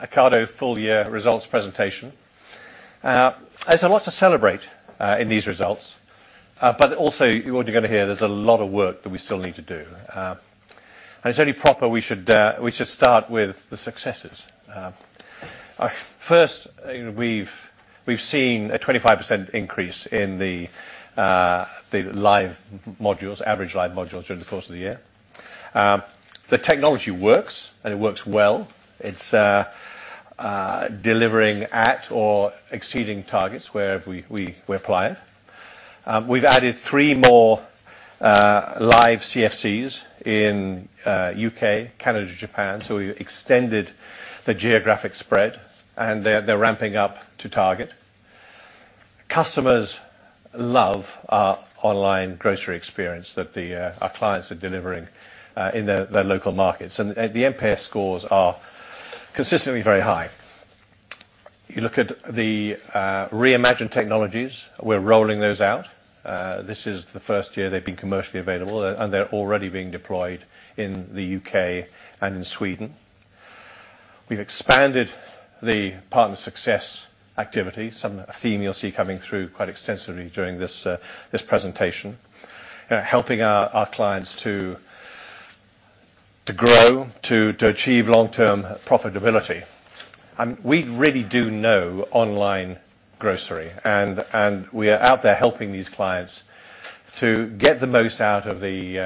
Ocado Full Year Results Presentation. There's a lot to celebrate in these results, but also what you're going to hear is there's a lot of work that we still need to do. And it's only proper we should start with the successes. First, you know, we've, we've seen a 25% increase in the live modules, average live modules, during the course of the year. The technology works, and it works well. It's delivering at or exceeding targets wherever we, we, we apply it. We've added three more live CFCs in U.K., Canada, Japan, so we've extended the geographic spread, and they're, they're ramping up to target. Customers love our online grocery experience that our clients are delivering in their local markets, and the NPS scores are consistently very high. You look at the Re:Imagined technologies, we're rolling those out. This is the first year they've been commercially available, and they're already being deployed in the U.K. and in Sweden. We've expanded the partner success activity, some theme you'll see coming through quite extensively during this presentation, you know, helping our clients to grow, to achieve long-term profitability. I mean, we really do know online grocery, and we are out there helping these clients to get the most out of the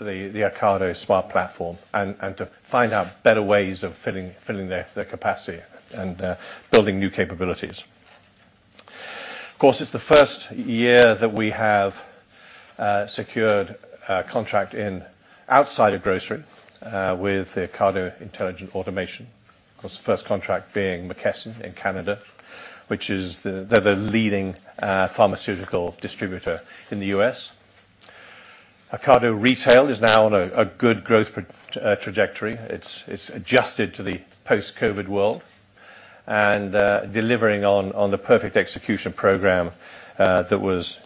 Ocado Smart Platform and to find out better ways of filling their capacity and building new capabilities. Of course, it's the first year that we have secured a contract outside of grocery, with the Ocado Intelligent Automation, of course, the first contract being McKesson in Canada, which is, they're the leading pharmaceutical distributor in the U.S. Ocado Retail is now on a good growth trajectory. It's adjusted to the post-COVID world and delivering on the Perfect Execution Program that was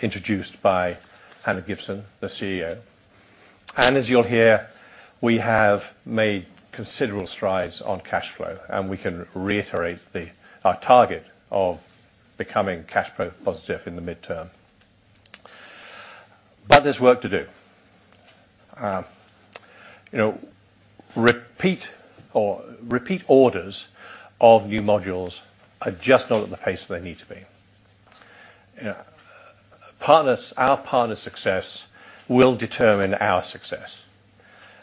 introduced by Hannah Gibson, the CEO. And as you'll hear, we have made considerable strides on cash flow, and we can reiterate our target of becoming cash flow positive in the midterm. But there's work to do. You know, repeat orders of new modules are just not at the pace that they need to be. You know, our partners' success will determine our success.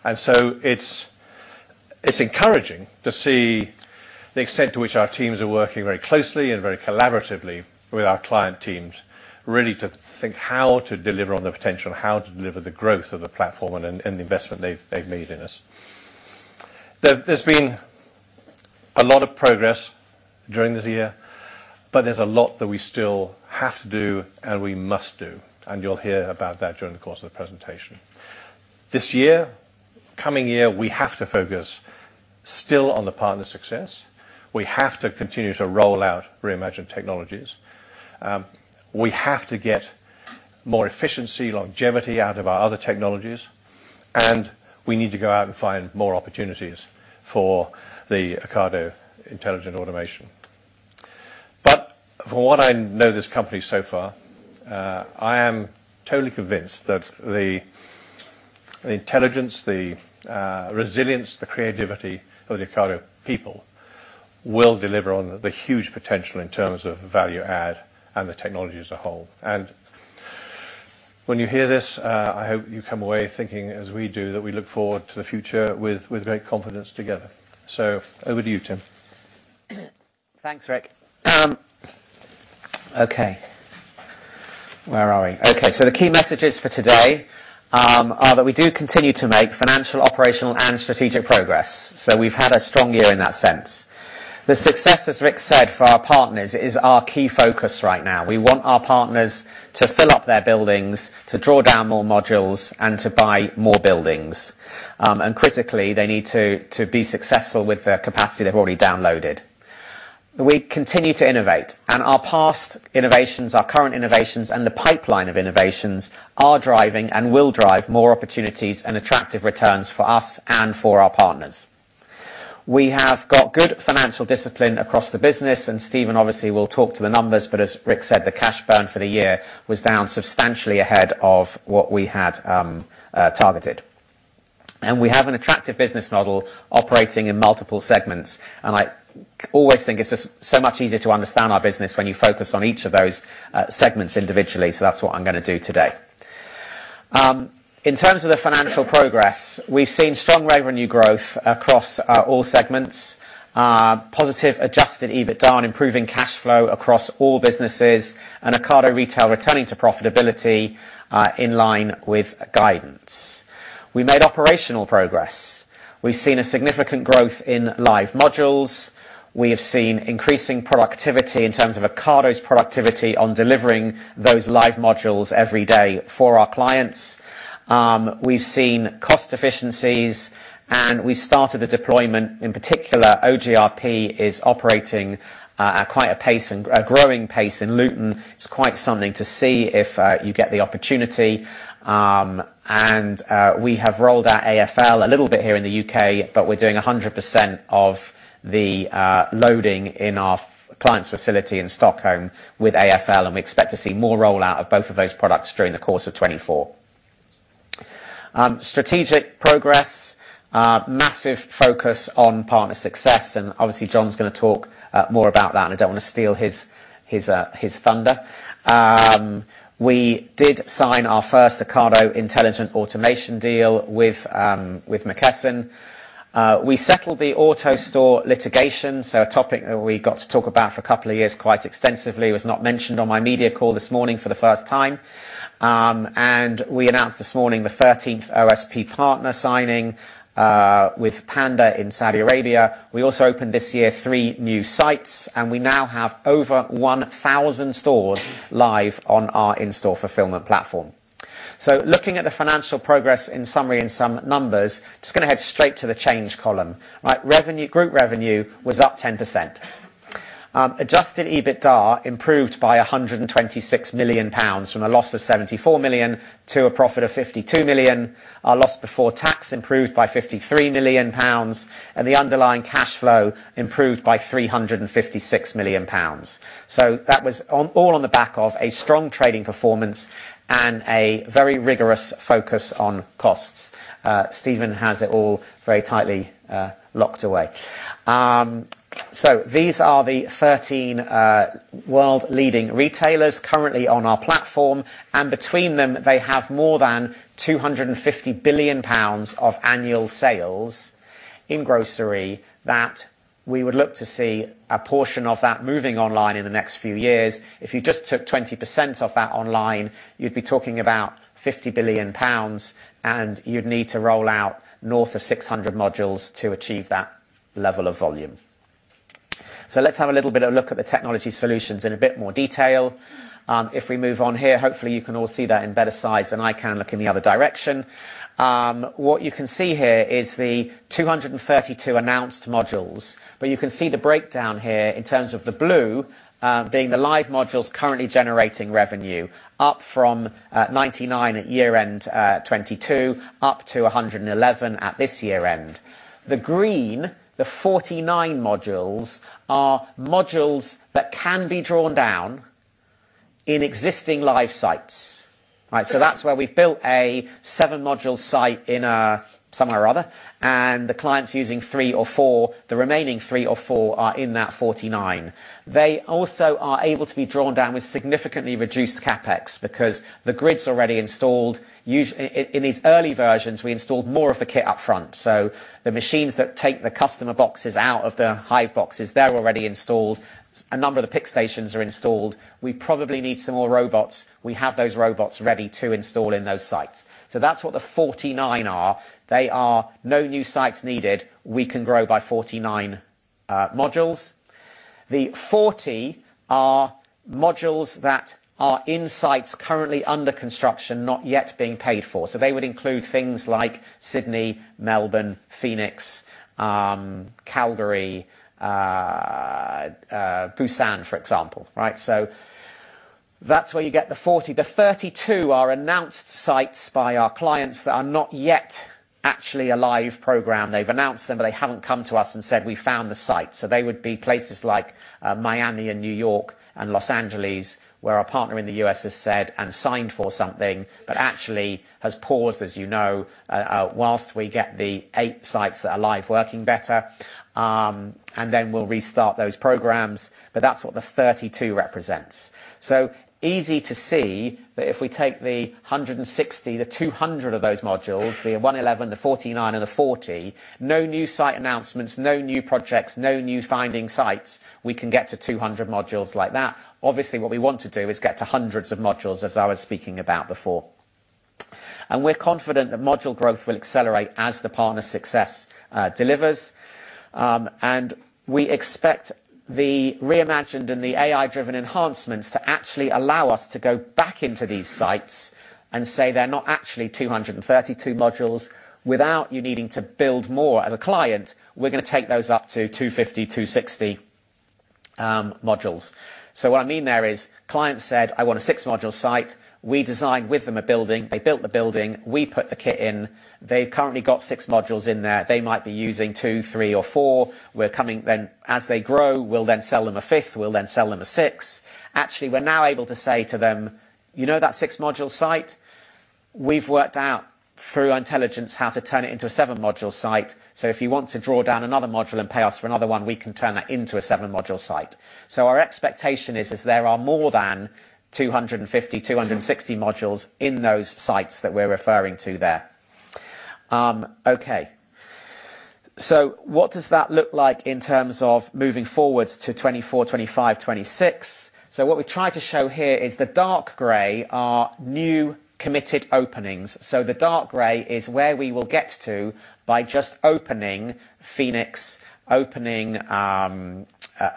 And so it's encouraging to see the extent to which our teams are working very closely and very collaboratively with our client teams, really to think how to deliver on the potential, how to deliver the growth of the platform and the investment they've made in us. There's been a lot of progress during this year, but there's a lot that we still have to do and we must do, and you'll hear about that during the course of the presentation. This year, coming year, we have to focus still on the partner success. We have to continue to roll out Re:Imagined technologies. We have to get more efficiency, longevity out of our other technologies, and we need to go out and find more opportunities for the Ocado Intelligent Automation. But from what I know of this company so far, I am totally convinced that the intelligence, the resilience, the creativity of the Ocado people will deliver on the huge potential in terms of value add and the technology as a whole. When you hear this, I hope you come away thinking, as we do, that we look forward to the future with, with great confidence together. So over to you, Tim. Thanks, Rick. Okay. Where are we? Okay. So the key messages for today are that we do continue to make financial, operational, and strategic progress. So we've had a strong year in that sense. The success, as Rick said, for our partners is our key focus right now. We want our partners to fill up their buildings, to draw down more modules, and to buy more buildings. And critically, they need to be successful with the capacity they've already downloaded. We continue to innovate, and our past innovations, our current innovations, and the pipeline of innovations are driving and will drive more opportunities and attractive returns for us and for our partners. We have got good financial discipline across the business, and Stephen obviously will talk to the numbers, but as Rick said, the cash burn for the year was down substantially ahead of what we had targeted. We have an attractive business model operating in multiple segments, and I always think it's just so much easier to understand our business when you focus on each of those segments individually, so that's what I'm going to do today. In terms of the financial progress, we've seen strong revenue growth across all segments, positive adjusted EBITDA on improving cash flow across all businesses, and Ocado Retail returning to profitability, in line with guidance. We made operational progress. We've seen a significant growth in live modules. We have seen increasing productivity in terms of Ocado's productivity on delivering those live modules every day for our clients. We've seen cost efficiencies, and we've started the deployment. In particular, OGRP is operating at quite a pace and a growing pace in Luton. It's quite something to see if you get the opportunity. We have rolled out AFL a little bit here in the U.K., but we're doing 100% of the loading in our client's facility in Stockholm with AFL, and we expect to see more rollout of both of those products during the course of 2024. Strategic progress, massive focus on partner success, and obviously, John's going to talk more about that, and I don't want to steal his thunder. We did sign our first Ocado Intelligent Automation deal with McKesson. We settled the AutoStore litigation, so a topic that we got to talk about for a couple of years quite extensively was not mentioned on my media call this morning for the first time. We announced this morning the 13th OSP partner signing with Panda in Saudi Arabia. We also opened this year three new sites, and we now have over 1,000 stores live on our in-store fulfillment platform. So looking at the financial progress in summary and some numbers, I'm just going to head straight to the change column, right? Group revenue was up 10%. Adjusted EBITDA improved by 126 million pounds from a loss of 74 million to a profit of 52 million. Our loss before tax improved by 53 million pounds, and the underlying cash flow improved by 356 million pounds. So that was all on the back of a strong trading performance and a very rigorous focus on costs. Stephen has it all very tightly locked away. So these are the 13 world-leading retailers currently on our platform, and between them, they have more than 250 billion pounds of annual sales in grocery that we would look to see a portion of that moving online in the next few years. If you just took 20% of that online, you'd be talking about 50 billion pounds, and you'd need to roll out north of 600 modules to achieve that level of volume. So let's have a little bit of a look at the technology solutions in a bit more detail. If we move on here, hopefully you can all see that in better size than I can look in the other direction. What you can see here is the 232 announced modules, but you can see the breakdown here in terms of the blue being the live modules currently generating revenue, up from 99 at year-end 2022, up to 111 at this year-end. The green, the 49 modules, are modules that can be drawn down in existing live sites, right? So that's where we've built a seven-module site in somewhere or other, and the client's using three or four. The remaining three or four are in that 49. They also are able to be drawn down with significantly reduced Capex because the grid's already installed. Usually, in these early versions, we installed more of the kit up front, so the machines that take the customer boxes out of the hive boxes, they're already installed. A number of the pick stations are installed. We probably need some more robots. We have those robots ready to install in those sites. So that's what the 49 are. They are no new sites needed. We can grow by 49 modules. The 40 are modules that are in sites currently under construction, not yet being paid for. So they would include things like Sydney, Melbourne, Phoenix, Calgary, Busan, for example, right? So that's where you get the 40. The 32 are announced sites by our clients that are not yet actually a live program. They've announced them, but they haven't come to us and said, "We found the site." So they would be places like, Miami and New York and Los Angeles where our partner in the U.S. has said and signed for something but actually has paused, as you know, while we get the eight sites that are live working better. Then we'll restart those programs, but that's what the 32 represents. It's easy to see that if we take the 160, the 200 of those modules, the 111, the 49, and the 40, no new site announcements, no new projects, no new finding sites, we can get to 200 modules like that. Obviously, what we want to do is get to 100s of modules, as I was speaking about before. We're confident that module growth will accelerate as the partner success delivers. We expect the Re:imagined and the AI-driven enhancements to actually allow us to go back into these sites and say, "They're not actually 232 modules. Without you needing to build more as a client, we're going to take those up to 250, 260 modules." What I mean there is clients said, "I want a six-module site." We designed with them a building. They built the building. We put the kit in. They've currently got six modules in there. They might be using two, three, or four. We're coming then as they grow, we'll then sell them a fifth. We'll then sell them a sixth. Actually, we're now able to say to them, "You know that six-module site? We've worked out through our intelligence how to turn it into a seven-module site. So if you want to draw down another module and pay us for another one, we can turn that into a seven-module site." So our expectation is that there are more than 250, 260 modules in those sites that we're referring to there. Okay. So what does that look like in terms of moving forward to 2024, 2025, 2026? So what we try to show here is the dark gray are new committed openings. So the dark gray is where we will get to by just opening Phoenix, opening in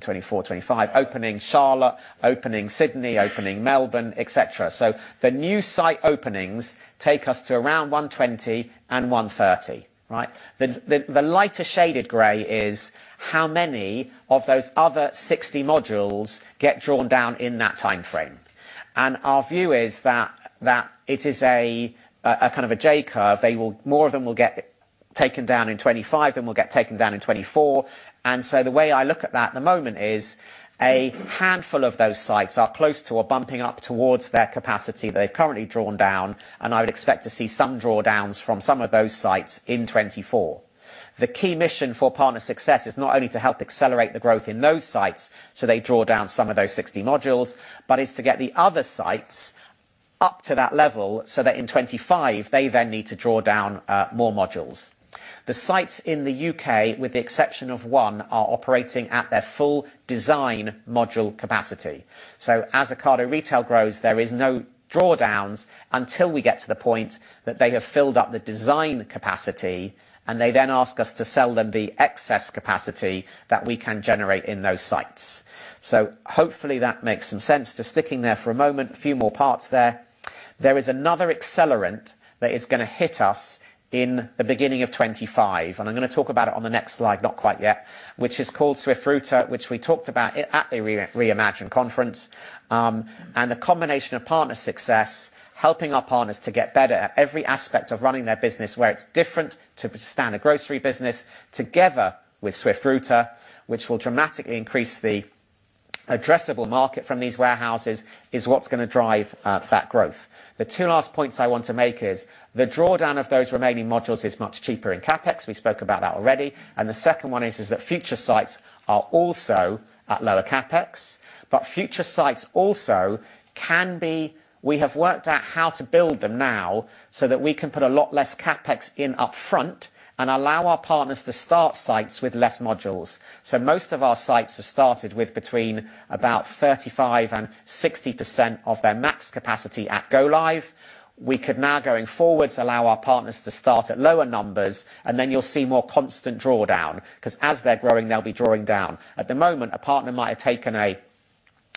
2024, 2025, opening Charlotte, opening Sydney, opening Melbourne, etc. So the new site openings take us to around 120 and 130, right? The lighter shaded gray is how many of those other 60 modules get drawn down in that timeframe. And our view is that it is a kind of a J curve. More of them will get taken down in 2025 and will get taken down in 2024. And so the way I look at that at the moment is a handful of those sites are close to or bumping up towards their capacity that they've currently drawn down, and I would expect to see some drawdowns from some of those sites in 2024. The key mission for partner success is not only to help accelerate the growth in those sites so they draw down some of those 60 modules, but is to get the other sites up to that level so that in 2025, they then need to draw down more modules. The sites in the U.K., with the exception of one, are operating at their full design module capacity. So as Ocado Retail grows, there are no drawdowns until we get to the point that they have filled up the design capacity, and they then ask us to sell them the excess capacity that we can generate in those sites. So hopefully, that makes some sense to sticking there for a moment, a few more parts there. There is another accelerant that is going to hit us in the beginning of 2025, and I'm going to talk about it on the next slide, not quite yet, which is called Swift Router, which we talked about at the Re:imagined conference. And the combination of partner success, helping our partners to get better at every aspect of running their business where it's different to sustain a grocery business together with Swift Router, which will dramatically increase the addressable market from these warehouses, is what's going to drive that growth. The two last points I want to make is the drawdown of those remaining modules is much cheaper in CapEx. We spoke about that already. The second one is that future sites are also at lower CapEx, but future sites also can be we have worked out how to build them now so that we can put a lot less CapEx in up front and allow our partners to start sites with less Modules. So most of our sites have started with between about 35% and60% of their max capacity at go-live. We could now, going forwards, allow our partners to start at lower numbers, and then you'll see more constant drawdown because as they're growing, they'll be drawing down. At the moment, a partner might have taken a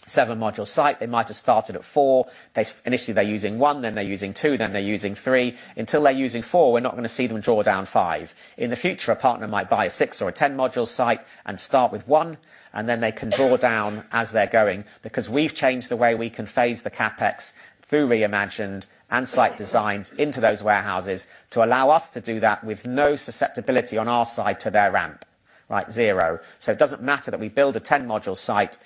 seven-Module site. They might have started at four. They initially, they're using one. Then they're using two. Then they're using three. Until they're using four, we're not going to see them draw down five. In the future, a partner might buy a six-module or 10-module site and start with one, and then they can draw down as they're going because we've changed the way we can phase the CapEx through Re:imagined and site designs into those warehouses to allow us to do that with no susceptibility on our side to their ramp, right? Zero. So it doesn't matter that we build a 10-module site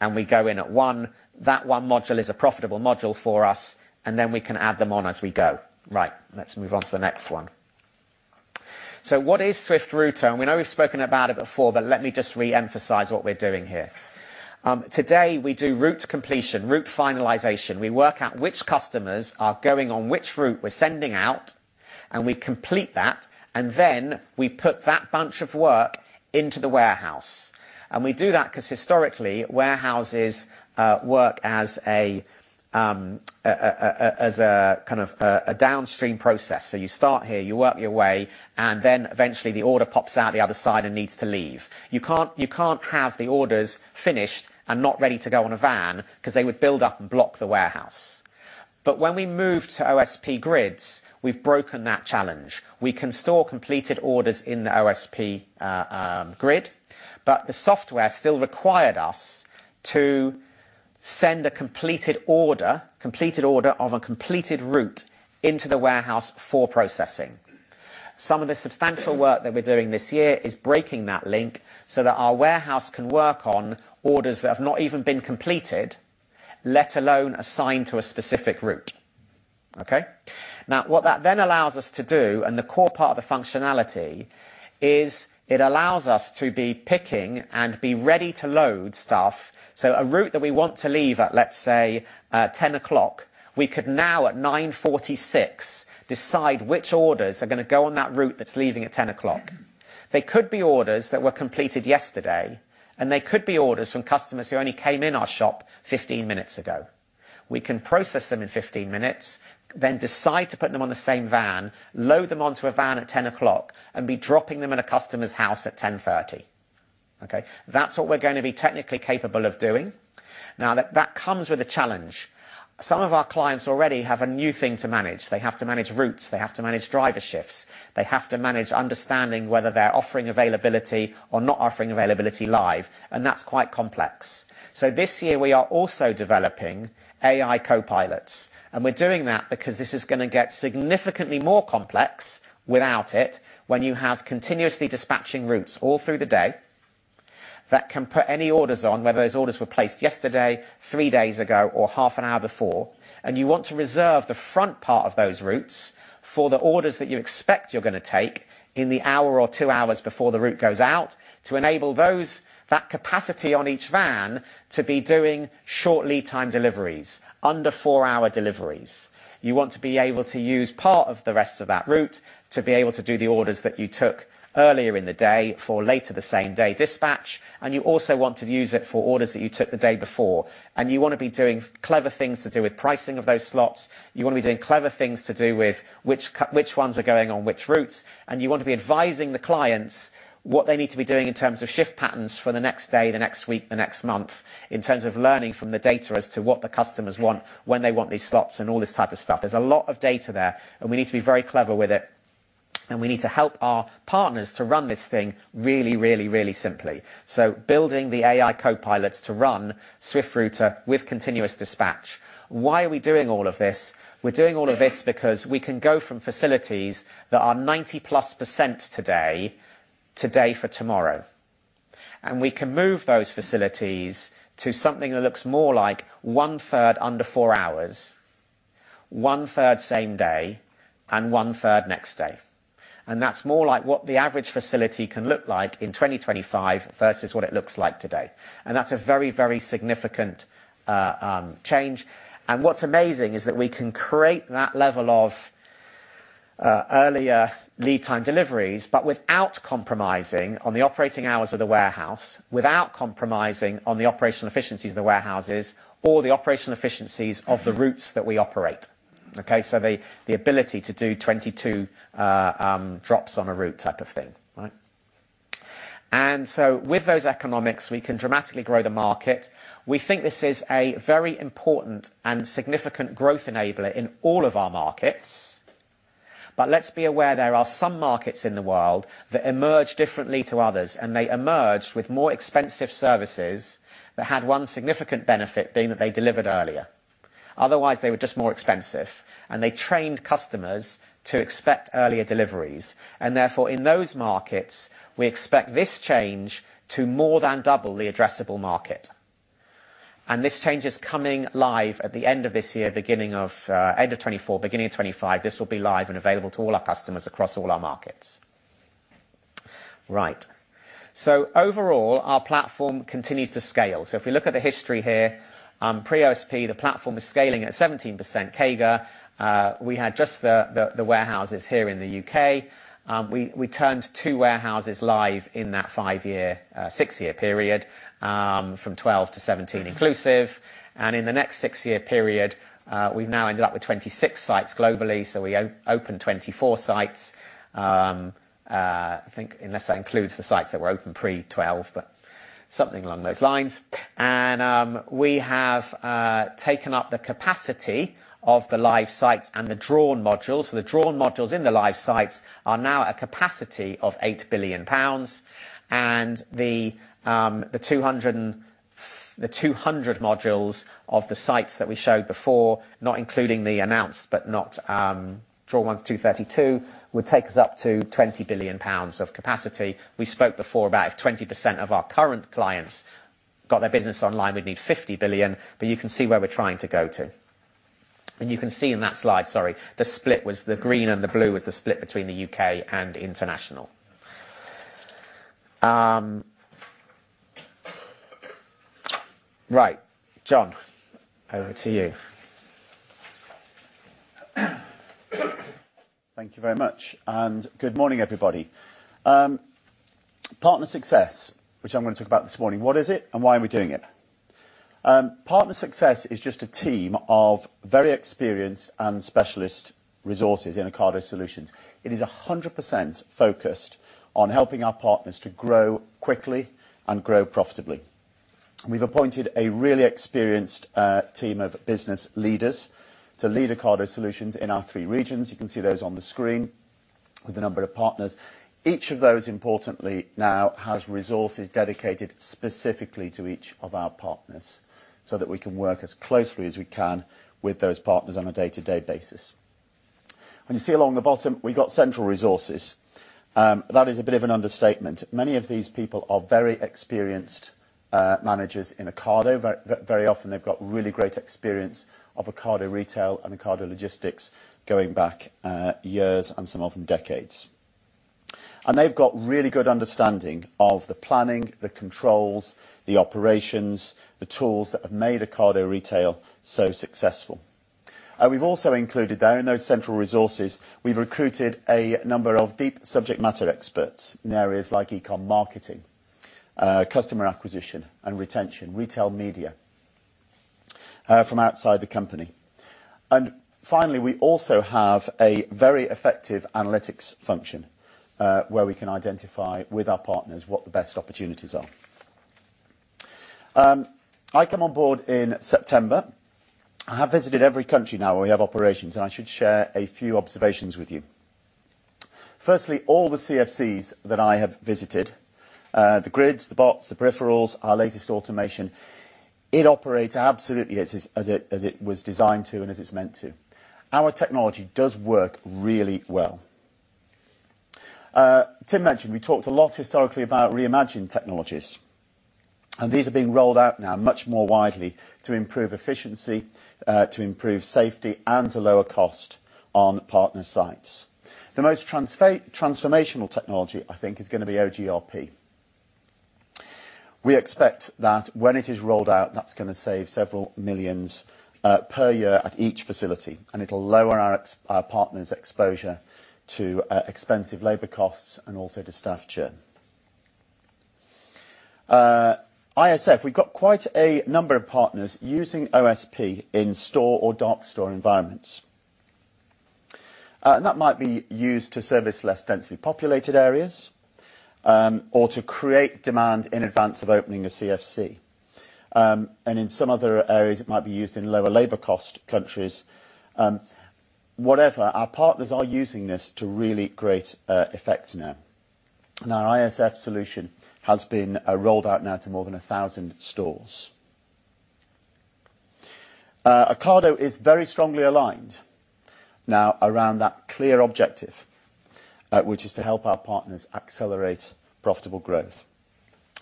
and we go in at one. That one module is a profitable module for us, and then we can add them on as we go, right? Let's move on to the next one. So what is Swift Router? And we know we've spoken about it before, but let me just re-emphasize what we're doing here. Today, we do route completion, route finalization. We work out which customers are going on which route we're sending out, and we complete that, and then we put that bunch of work into the warehouse. We do that because historically, warehouses work as a kind of downstream process. You start here. You work your way, and then eventually, the order pops out the other side and needs to leave. You can't have the orders finished and not ready to go on a van because they would build up and block the warehouse. But when we moved to OSP grids, we've broken that challenge. We can store completed orders in the OSP grid, but the software still required us to send a completed order of a completed route into the warehouse for processing. Some of the substantial work that we're doing this year is breaking that link so that our warehouse can work on orders that have not even been completed, let alone assigned to a specific route, okay? Now, what that then allows us to do, and the core part of the functionality, is it allows us to be picking and be ready to load stuff. So a route that we want to leave at, let's say, 10:00 o'clock., we could now, at 9:46 AM, decide which orders are going to go on that route that's leaving at 10:00 o'clock. They could be orders that were completed yesterday, and they could be orders from customers who only came in our shop 15 minutes ago. We can process them in 15 minutes, then decide to put them on the same van, load them onto a van at 10:00 o'clock, and be dropping them at a customer's house at 10:30 AM, okay? That's what we're going to be technically capable of doing. Now, that comes with a challenge. Some of our clients already have a new thing to manage. They have to manage routes. They have to manage driver shifts. They have to manage understanding whether they're offering availability or not offering availability live, and that's quite complex. So this year, we are also developing AI copilots, and we're doing that because this is going to get significantly more complex without it when you have continuously dispatching routes all through the day that can put any orders on, whether those orders were placed yesterday, three days ago, or half an hour before. And you want to reserve the front part of those routes for the orders that you expect you're going to take in the hour or two hours before the route goes out to enable those, that capacity on each van, to be doing short lead-time deliveries, under-four-hour deliveries. You want to be able to use part of the rest of that route to be able to do the orders that you took earlier in the day for later the same day dispatch. And you also want to use it for orders that you took the day before. And you want to be doing clever things to do with pricing of those slots. Youi want to be doing clever things to do with which ones are going on which routes. You want to be advising the clients what they need to be doing in terms of shift patterns for the next day, the next week, the next month, in terms of learning from the data as to what the customers want when they want these slots and all this type of stuff. There's a lot of data there, and we need to be very clever with it. We need to help our partners to run this thing really, really, really simply. So building the AI copilots to run Swift Router with continuous dispatch. Why are we doing all of this? We're doing all of this because we can go from facilities that are 90+% today to day for tomorrow. We can move those facilities to something that looks more like 1/3 under four hours, 1/3 same day, and 1/3 next day. That's more like what the average facility can look like in 2025 versus what it looks like today. That's a very, very significant change. What's amazing is that we can create that level of earlier lead-time deliveries but without compromising on the operating hours of the warehouse, without compromising on the operational efficiencies of the warehouses or the operational efficiencies of the routes that we operate, okay? So the ability to do 22 drops on a route type of thing, right? And so with those economics, we can dramatically grow the market. We think this is a very important and significant growth enabler in all of our markets. But let's be aware, there are some markets in the world that emerge differently to others, and they emerged with more expensive services that had one significant benefit being that they delivered earlier. Otherwise, they were just more expensive. And they trained customers to expect earlier deliveries. And therefore, in those markets, we expect this change to more than double the addressable market. And this change is coming live at the end of this year, beginning of, end of 2024, beginning of 2025. This will be live and available to all our customers across all our markets. Right. So overall, our platform continues to scale. So if we look at the history here, pre-OSP, the platform is scaling at 17%. We had just the warehouses here in the U.K. We turned 2 warehouses live in that five-year, six-year period, from 2012 to 2017 inclusive. And in the next six-year period, we've now ended up with 26 sites globally. So we opened 24 sites, I think, unless that includes the sites that were opened pre-2012, but something along those lines. We have taken up the capacity of the live sites and the drawn modules. So the drawn modules in the live sites are now at a capacity of 8 billion pounds. And of the 200 modules of the sites that we showed before, not including the announced but not drawn ones, 232, would take us up to 20 billion pounds of capacity. We spoke before about if 20% of our current clients got their business online, we'd need 50 billion. But you can see where we're trying to go to. And you can see in that slide, sorry, the split was the green and the blue was the split between the U.K. and international. Right. John, over to you. Thank you very much. And good morning, everybody. Partner success, which I'm going to talk about this morning, what is it, and why are we doing it? Partner success is just a team of very experienced and specialist resources in Ocado Solutions. It is 100% focused on helping our partners to grow quickly and grow profitably. We've appointed a really experienced team of business leaders to lead Ocado Solutions in our three regions. You can see those on the screen with the number of partners. Each of those, importantly, now has resources dedicated specifically to each of our partners so that we can work as closely as we can with those partners on a day-to-day basis. And you see along the bottom, we've got central resources. That is a bit of an understatement. Many of these people are very experienced managers in Ocado. Very, very often, they've got really great experience of Ocado Retail and Ocado Logistics going back years and some of them decades. They've got really good understanding of the planning, the controls, the operations, the tools that have made Ocado Retail so successful. We've also included there in those central resources; we've recruited a number of deep subject matter experts in areas like e-commerce, marketing, customer acquisition and retention, retail media, from outside the company. Finally, we also have a very effective analytics function, where we can identify with our partners what the best opportunities are. I come on board in September. I have visited every country now where we have operations, and I should share a few observations with you. Firstly, all the CFCs that I have visited, the grids, the bots, the peripherals, our latest automation, it operates absolutely as it was designed to and as it's meant to. Our technology does work really well. Tim mentioned we talked a lot historically about Re:imagined technologies. These are being rolled out now much more widely to improve efficiency, to improve safety, and to lower cost on partner sites. The most transformational technology, I think, is going to be OGRP. We expect that when it is rolled out, that's going to save several million per year at each facility. And it'll lower our partners' exposure to expensive labor costs and also to staff churn. ISF, we've got quite a number of partners using OSP in store or dark store environments, and that might be used to service less densely populated areas, or to create demand in advance of opening a CFC. And in some other areas, it might be used in lower labor cost countries, whatever, our partners are using this to really great effect now. Our ISF solution has been rolled out now to more than 1,000 stores. Ocado is very strongly aligned now around that clear objective, which is to help our partners accelerate profitable growth.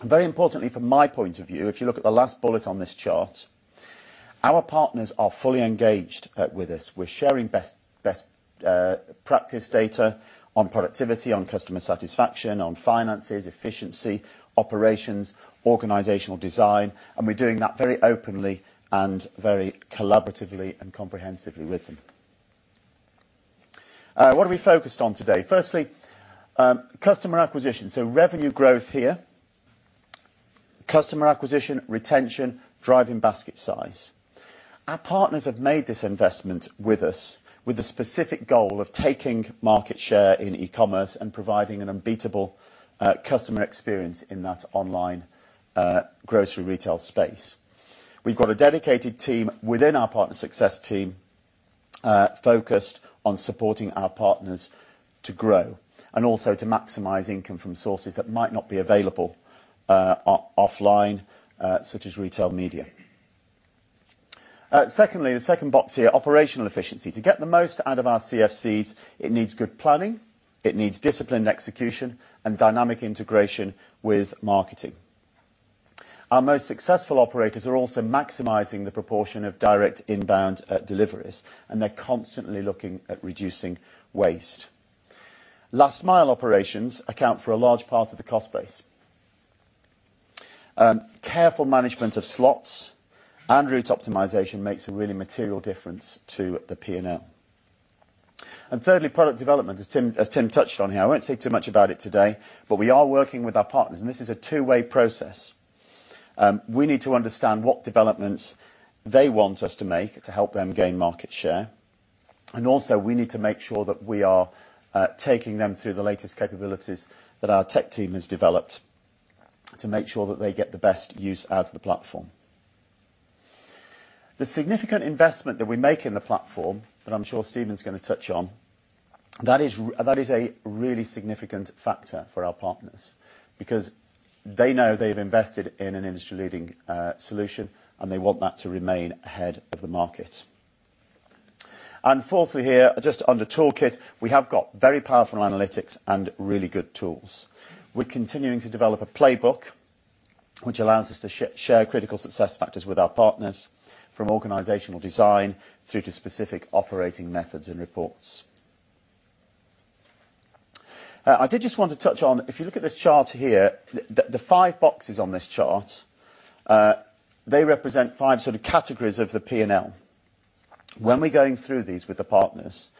Very importantly, from my point of view, if you look at the last bullet on this chart, our partners are fully engaged with us. We're sharing best practice data on productivity, on customer satisfaction, on finances, efficiency, operations, organizational design. And we're doing that very openly and very collaboratively and comprehensively with them. What are we focused on today? Firstly, customer acquisition. So revenue growth here, customer acquisition, retention, driving basket size. Our partners have made this investment with us with the specific goal of taking market share in e-commerce and providing an unbeatable customer experience in that online grocery retail space. We've got a dedicated team within our partner success team, focused on supporting our partners to grow and also to maximize income from sources that might not be available offline, such as retail media. Secondly, the second box here, operational efficiency. To get the most out of our CFCs, it needs good planning. It needs disciplined execution and dynamic integration with marketing. Our most successful operators are also maximizing the proportion of direct inbound deliveries. And they're constantly looking at reducing waste. Last-mile operations account for a large part of the cost base. Careful management of slots and route optimization makes a really material difference to the P&L. And thirdly, product development, as Tim touched on here. I won't say too much about it today, but we are working with our partners. And this is a two-way process. We need to understand what developments they want us to make to help them gain market share. And also, we need to make sure that we are taking them through the latest capabilities that our tech team has developed to make sure that they get the best use out of the platform. The significant investment that we make in the platform that I'm sure Stephen's going to touch on, that is a really significant factor for our partners because they know they've invested in an industry-leading solution, and they want that to remain ahead of the market. And fourthly here, just under toolkit, we have got very powerful analytics and really good tools. We're continuing to develop a playbook, which allows us to share critical success factors with our partners, from organizational design through to specific operating methods and reports. I did just want to touch on, if you look at this chart here, the five boxes on this chart, they represent five sort of categories of the P&L. When we're going through these with the partners,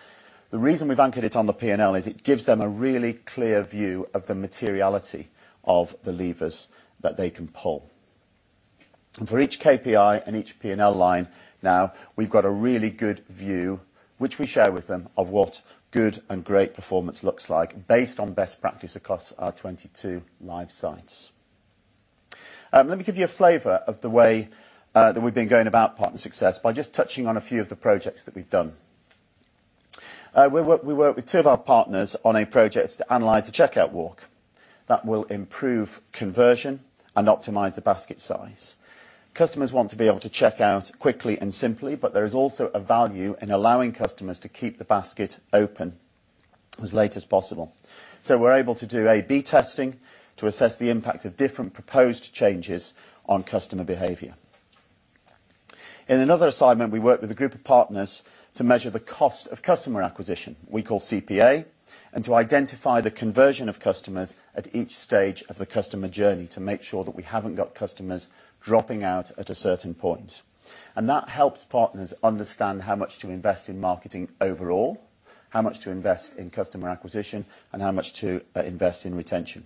the reason we've anchored it on the P&L is it gives them a really clear view of the materiality of the levers that they can pull. And for each KPI and each P&L line now, we've got a really good view, which we share with them, of what good and great performance looks like based on best practice across our 22 live sites. Let me give you a flavor of the way, that we've been going about partner success by just touching on a few of the projects that we've done. We worked with two of our partners on a project to analyze the checkout walk that will improve conversion and optimize the basket size. Customers want to be able to checkout quickly and simply, but there is also a value in allowing customers to keep the basket open as late as possible. So we're able to do A/B testing to assess the impact of different proposed changes on customer behavior. In another assignment, we worked with a group of partners to measure the cost of customer acquisition, we call CPA, and to identify the conversion of customers at each stage of the customer journey to make sure that we haven't got customers dropping out at a certain point. And that helps partners understand how much to invest in marketing overall, how much to invest in customer acquisition, and how much to invest in retention.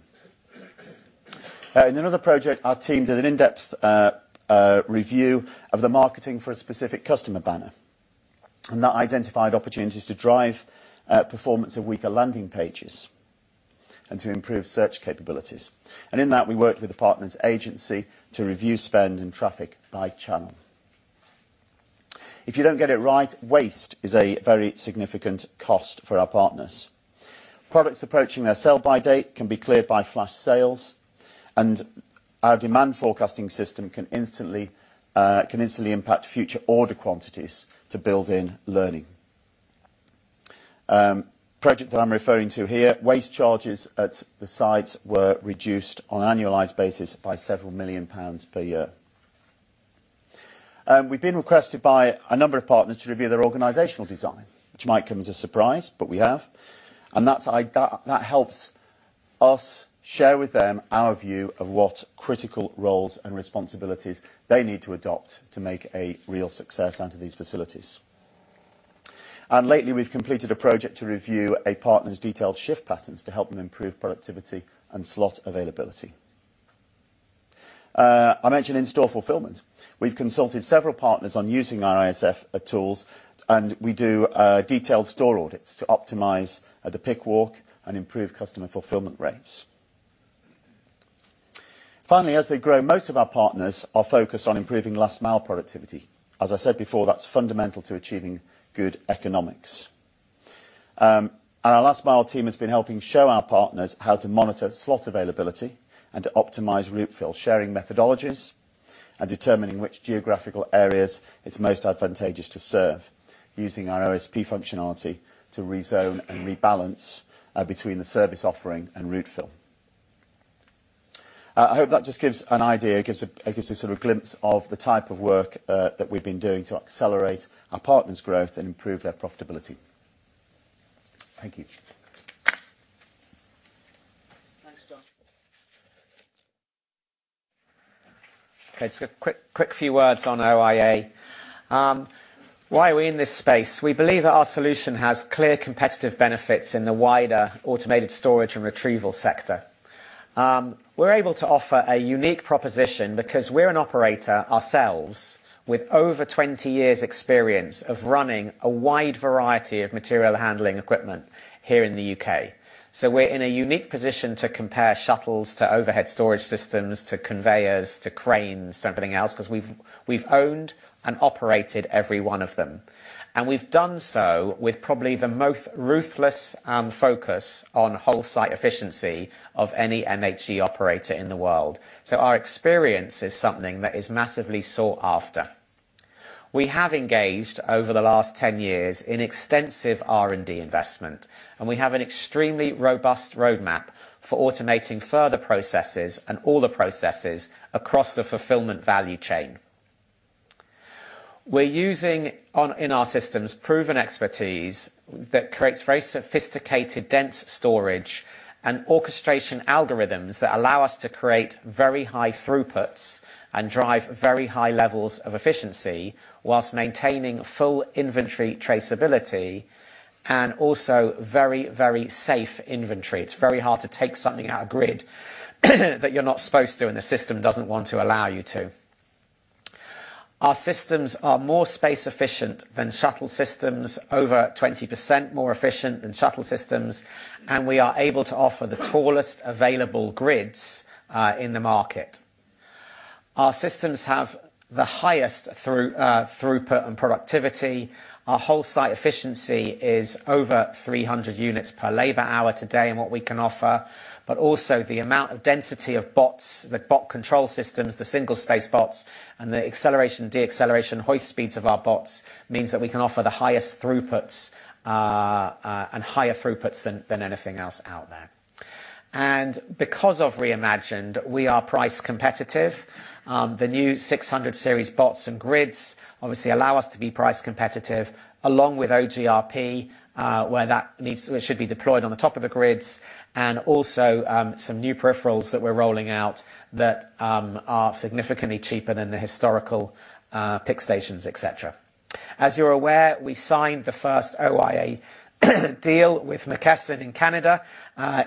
In another project, our team did an in-depth review of the marketing for a specific customer banner. That identified opportunities to drive performance of weaker landing pages and to improve search capabilities. In that, we worked with the partner's agency to review spend and traffic by channel. If you don't get it right, waste is a very significant cost for our partners. Products approaching their sell-by date can be cleared by flash sales. Our demand forecasting system can instantly impact future order quantities to build in learning. Project that I'm referring to here, waste charges at the sites were reduced on an annualized basis by several million pounds per year. We've been requested by a number of partners to review their organizational design, which might come as a surprise, but we have. That's it that helps us share with them our view of what critical roles and responsibilities they need to adopt to make a real success out of these facilities. Lately, we've completed a project to review a partner's detailed shift patterns to help them improve productivity and slot availability. I mentioned in-store fulfillment. We've consulted several partners on using our ISF tools. We do detailed store audits to optimize the pick walk and improve customer fulfillment rates. Finally, as they grow, most of our partners are focused on improving last-mile productivity. As I said before, that's fundamental to achieving good economics. Our last-mile team has been helping show our partners how to monitor slot availability and to optimize route fill, sharing methodologies, and determining which geographical areas it's most advantageous to serve, using our OSP functionality to re-zone and rebalance between the service offering and route fill. I hope that just gives an idea. It gives a sort of glimpse of the type of work that we've been doing to accelerate our partners' growth and improve their profitability. Thank you. Thanks, John. Okay, just a quick, quick few words on OIA. Why are we in this space? We believe that our solution has clear competitive benefits in the wider automated storage and retrieval sector. We're able to offer a unique proposition because we're an operator ourselves with over 20 years' experience of running a wide variety of material handling equipment here in the U.K. So we're in a unique position to compare shuttles to overhead storage systems to conveyors to cranes to everything else because we've, we've owned and operated every one of them. And we've done so with probably the most ruthless focus on whole-site efficiency of any MHE operator in the world. So our experience is something that is massively sought after. We have engaged over the last 10 years in extensive R&D investment. We have an extremely robust roadmap for automating further processes and all the processes across the fulfillment value chain. We're using in our systems proven expertise that creates very sophisticated dense storage and orchestration algorithms that allow us to create very high throughputs and drive very high levels of efficiency while maintaining full inventory traceability and also very, very safe inventory. It's very hard to take something out of grid that you're not supposed to, and the system doesn't want to allow you to. Our systems are more space-efficient than shuttle systems, over 20% more efficient than shuttle systems. We are able to offer the tallest available grids in the market. Our systems have the highest throughput and productivity. Our whole-site efficiency is over 300 units per labor hour today in what we can offer. But also, the amount of density of bots, the bot control systems, the single-space bots, and the acceleration, de-acceleration, hoist speeds of our bots means that we can offer the highest throughputs, and higher throughputs than anything else out there. And because of Re:Imagined, we are price competitive. The new 600-series bots and grids obviously allow us to be price competitive, along with OGRP, where that needs it should be deployed on the top of the grids. And also, some new peripherals that we're rolling out that are significantly cheaper than the historical pick stations, etc. As you're aware, we signed the first OIA deal with McKesson in Canada,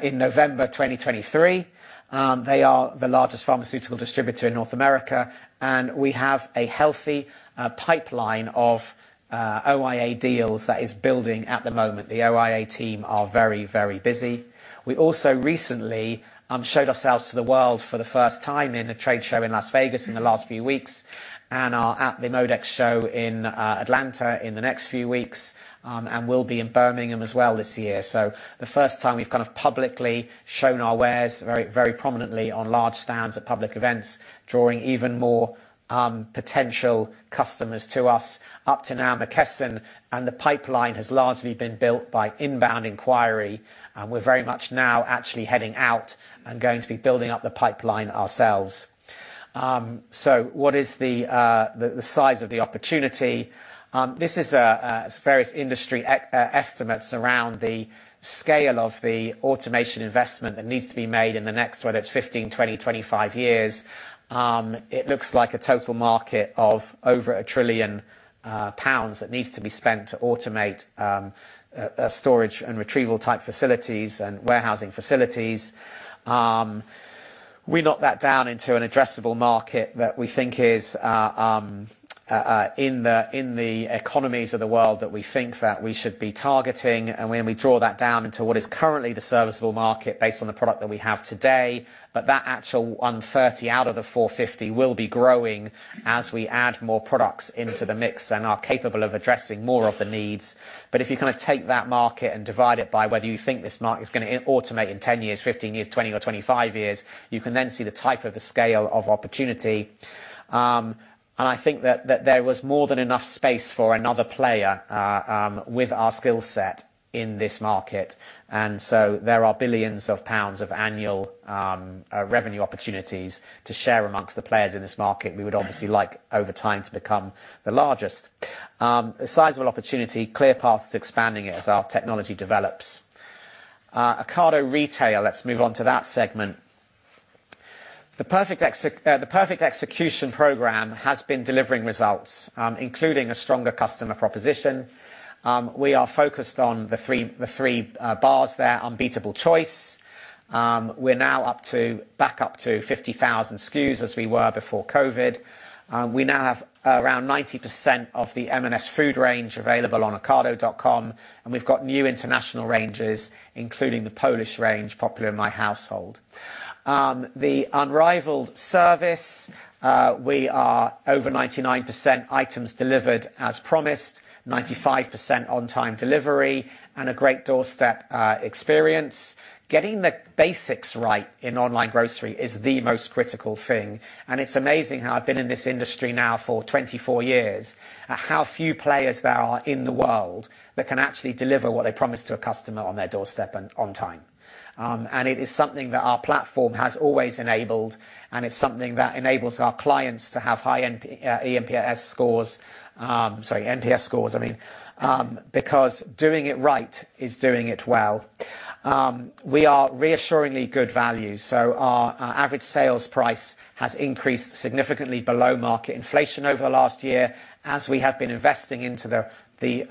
in November 2023. They are the largest pharmaceutical distributor in North America. And we have a healthy pipeline of OIA deals that is building at the moment. The OIA team are very, very busy. We also recently showed ourselves to the world for the first time in a trade show in Las Vegas in the last few weeks and are at the MODEX show in Atlanta in the next few weeks. We'll be in Birmingham as well this year. So the first time we've kind of publicly shown our wares very, very prominently on large stands at public events, drawing even more potential customers to us. Up to now, McKesson and the pipeline has largely been built by inbound inquiry. We're very much now actually heading out and going to be building up the pipeline ourselves. So what is the size of the opportunity? It's various industry estimates around the scale of the automation investment that needs to be made in the next, whether it's 15, 20, 25 years. It looks like a total market of over 1 trillion pounds that needs to be spent to automate storage and retrieval-type facilities and warehousing facilities. We knock that down into an addressable market that we think is, in the economies of the world that we think that we should be targeting. When we draw that down into what is currently the serviceable market based on the product that we have today, but that actual 130 out of the 450 will be growing as we add more products into the mix and are capable of addressing more of the needs. If you kind of take that market and divide it by whether you think this market's going to automate in 10 years, 15 years, 20, or 25 years, you can then see the type of the scale of opportunity. I think that there was more than enough space for another player, with our skill set in this market. And so there are billions of pounds of annual revenue opportunities to share among the players in this market. We would obviously like, over time, to become the largest. The size of an opportunity, clear paths to expanding it as our technology develops. Ocado Retail, let's move on to that segment. The Perfect Execution Program has been delivering results, including a stronger customer proposition. We are focused on the three bars there, unbeatable choice. We're now up to back up to 50,000 SKUs as we were before COVID. We now have around 90% of the M&S food range available on Ocado.com. And we've got new international ranges, including the Polish range, popular in my household. The unrivaled service, we are over 99% items delivered as promised, 95% on-time delivery, and a great doorstep experience. Getting the basics right in online grocery is the most critical thing. It's amazing how I've been in this industry now for 24 years and at how few players there are in the world that can actually deliver what they promise to a customer on their doorstep and on time. It is something that our platform has always enabled. It's something that enables our clients to have high EMPS scores, sorry, NPS scores, I mean, because doing it right is doing it well. We are reassuringly good value. Our average sales price has increased significantly below market inflation over the last year as we have been investing into the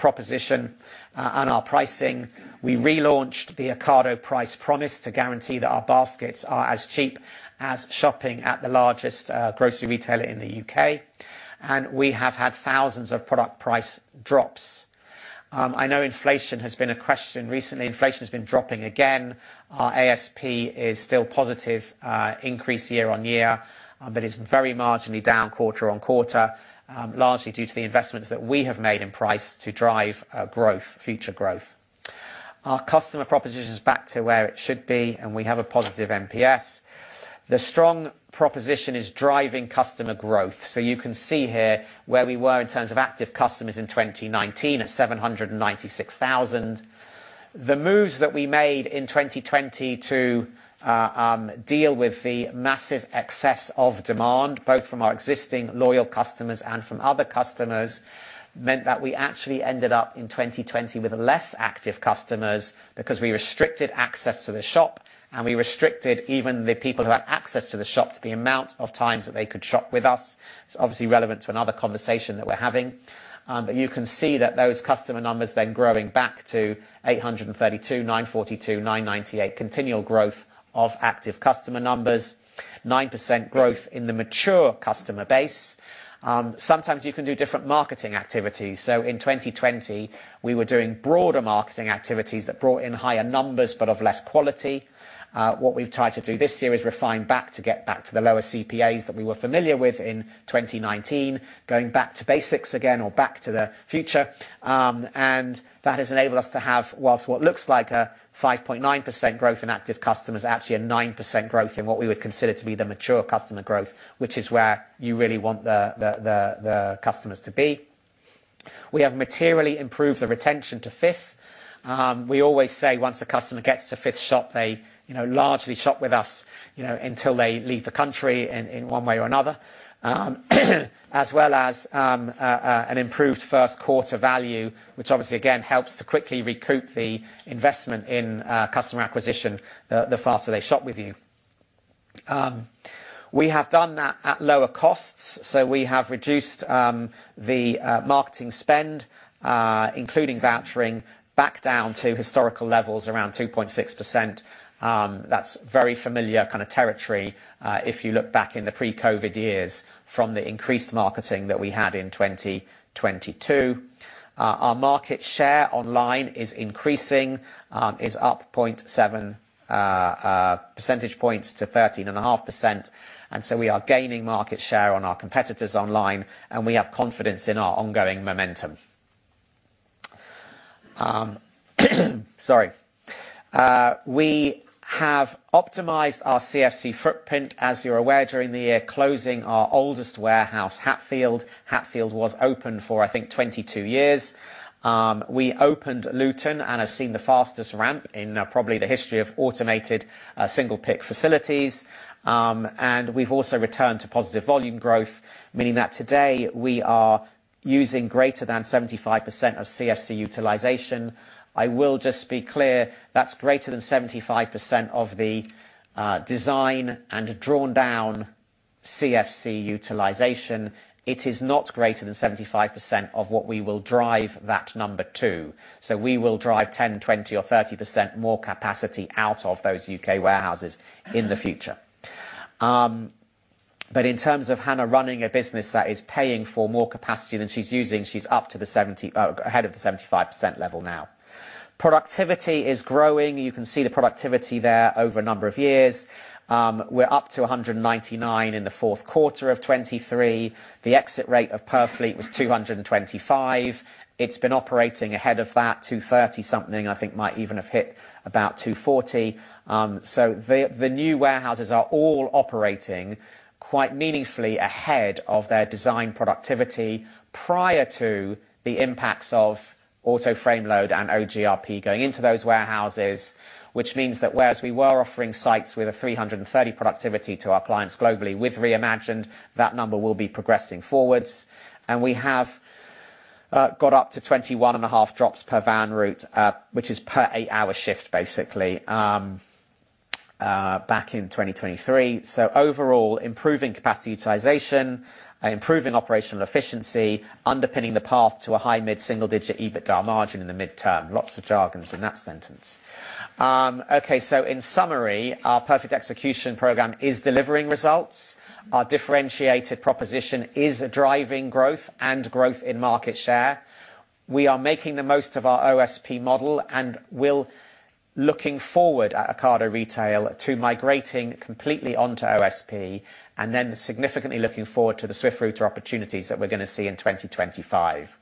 proposition, and our pricing. We relaunched the Ocado Price Promise to guarantee that our baskets are as cheap as shopping at the largest grocery retailer in the U.K. We have had thousands of product price drops. I know inflation has been a question recently. Inflation has been dropping again. Our ASP is still positive increase year-on-year, but it's very marginally down quarter-on-quarter, largely due to the investments that we have made in price to drive growth, future growth. Our customer proposition's back to where it should be. We have a positive NPS. The strong proposition is driving customer growth. You can see here where we were in terms of active customers in 2019 at 796,000. The moves that we made in 2020 to deal with the massive excess of demand, both from our existing loyal customers and from other customers, meant that we actually ended up in 2020 with less active customers because we restricted access to the shop. We restricted even the people who had access to the shop to the amount of times that they could shop with us. It's obviously relevant to another conversation that we're having. But you can see that those customer numbers then growing back to 832, 942, 998, continual growth of active customer numbers, 9% growth in the mature customer base. Sometimes you can do different marketing activities. So in 2020, we were doing broader marketing activities that brought in higher numbers but of less quality. What we've tried to do this year is refine back to get back to the lower CPAs that we were familiar with in 2019, going back to basics again or back to the future. And that has enabled us to have, whilst what looks like a 5.9% growth in active customers, actually a 9% growth in what we would consider to be the mature customer growth, which is where you really want the customers to be. We have materially improved the retention to fifth. We always say once a customer gets to fifth shop, they, you know, largely shop with us, you know, until they leave the country in one way or another, as well as an improved first-quarter value, which obviously, again, helps to quickly recoup the investment in customer acquisition the faster they shop with you. We have done that at lower costs. So we have reduced the marketing spend, including vouchering, back down to historical levels around 2.6%. That's very familiar kind of territory, if you look back in the pre-COVID years from the increased marketing that we had in 2022. Our market share online is increasing, is up 0.7 percentage points to 13.5%. And so we are gaining market share on our competitors online. And we have confidence in our ongoing momentum. Sorry. We have optimized our CFC footprint, as you're aware, during the year, closing our oldest warehouse, Hatfield. Hatfield was open for, I think, 22 years. We opened Luton and have seen the fastest ramp in, probably the history of automated, single-pick facilities. And we've also returned to positive volume growth, meaning that today, we are using greater than 75% of CFC utilization. I will just be clear. That's greater than 75% of the design and drawn-down CFC utilization. It is not greater than 75% of what we will drive that number to. So we will drive 10%, 20%, or 30% more capacity out of those U.K. warehouses in the future. But in terms of Hannah running a business that is paying for more capacity than she's using, she's up to the 70%, oh, ahead of the 75% level now. Productivity is growing. You can see the productivity there over a number of years. We're up to 199 in the fourth quarter of 2023. The exit rate of Purfleet was 225. It's been operating ahead of that. 230-something, I think, might even have hit about 240. So the new warehouses are all operating quite meaningfully ahead of their design productivity prior to the impacts of Auto Frame Load and OGRP going into those warehouses, which means that whereas we were offering sites with a 330 productivity to our clients globally, with Re:imagined, that number will be progressing forwards. And we have got up to 21.5 drops per van route, which is per eight-hour shift, basically, back in 2023. So overall, improving capacity utilization, improving operational efficiency, underpinning the path to a high mid-single-digit EBITDA margin in the midterm. Lots of jargon’s in that sentence. Okay. So in summary, our Perfect Execution Program is delivering results. Our differentiated proposition is driving growth and growth in market share. We are making the most of our OSP model and will, looking forward at Ocado Retail, to migrating completely onto OSP and then significantly looking forward to the Swift Router opportunities that we're going to see in 2025.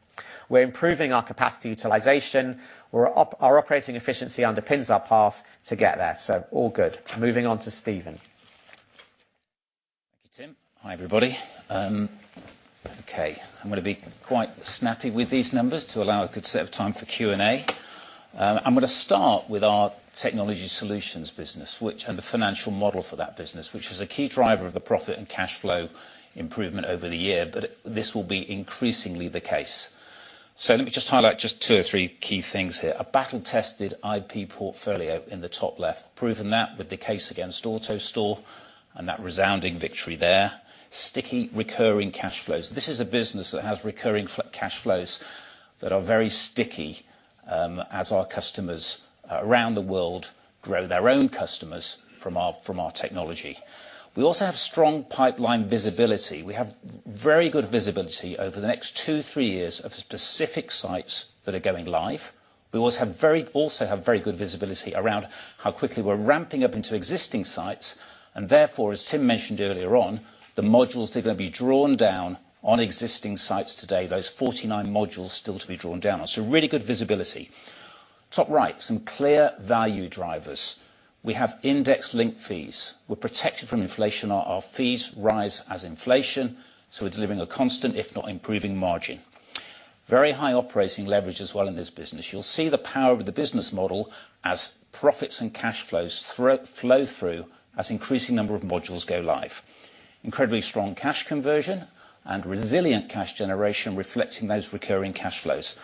We're improving our capacity utilization. We're operating efficiency underpins our path to get there. So all good. Moving on to Stephen. Thank you, Tim. Hi, everybody. Okay. I'm going to be quite snappy with these numbers to allow a good set of time for Q&A. I'm going to start with our Technology Solutions business, which and the financial model for that business, which is a key driver of the profit and cash flow improvement over the year. But this will be increasingly the case. So let me just highlight just two or three key things here. A battle-tested IP portfolio in the top left, proven that with the case against AutoStore and that resounding victory there, sticky recurring cash flows. This is a business that has recurring cash flows that are very sticky, as our customers, around the world grow their own customers from our technology. We also have strong pipeline visibility. We have very good visibility over the next 2 years to 3 years of specific sites that are going live. We also have very good visibility around how quickly we're ramping up into existing sites. And therefore, as Tim mentioned earlier on, the modules that are going to be drawn down on existing sites today, those 49 modules still to be drawn down on. So really good visibility. Top right, some clear value drivers. We have index link fees. We're protected from inflation. Our fees rise as inflation. So we're delivering a constant, if not improving, margin. Very high operating leverage as well in this business. You'll see the power of the business model as profits and cash flows flow through as an increasing number of modules go live. Incredibly strong cash conversion and resilient cash generation reflecting those recurring cash flows.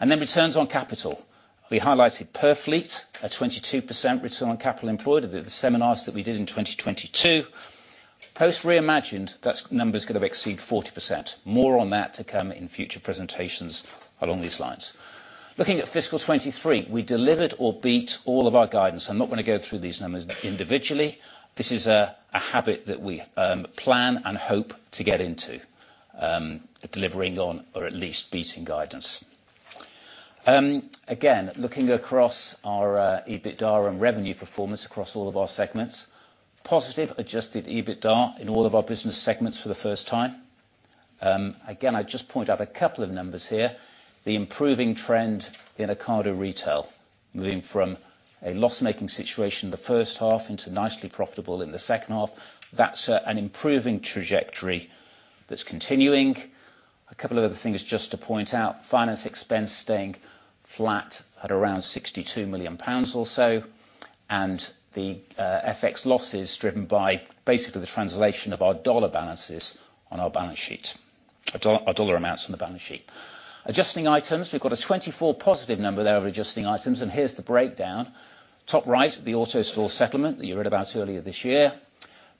And then returns on capital. We highlighted Purfleet, a 22% return on capital employed at the seminars that we did in 2022. Post Re:Imagined, that number's going to exceed 40%. More on that to come in future presentations along these lines. Looking at Fiscal 2023, we delivered or beat all of our guidance. I'm not going to go through these numbers individually. This is a habit that we plan and hope to get into, delivering on or at least beating guidance. Again, looking across our EBITDA and revenue performance across all of our segments, positive adjusted EBITDA in all of our business segments for the first time. Again, I'd just point out a couple of numbers here. The improving trend in Ocado Retail, moving from a loss-making situation the first half into nicely profitable in the second half. That's an improving trajectory that's continuing. A couple of other things just to point out. Finance expense staying flat at around 62 million pounds or so. The FX losses driven by basically the translation of our dollar balances on our balance sheet, our dollar amounts on the balance sheet. Adjusting items, we've got a 24 positive number there of adjusting items. Here's the breakdown. Top right, the AutoStore settlement that you read about earlier this year,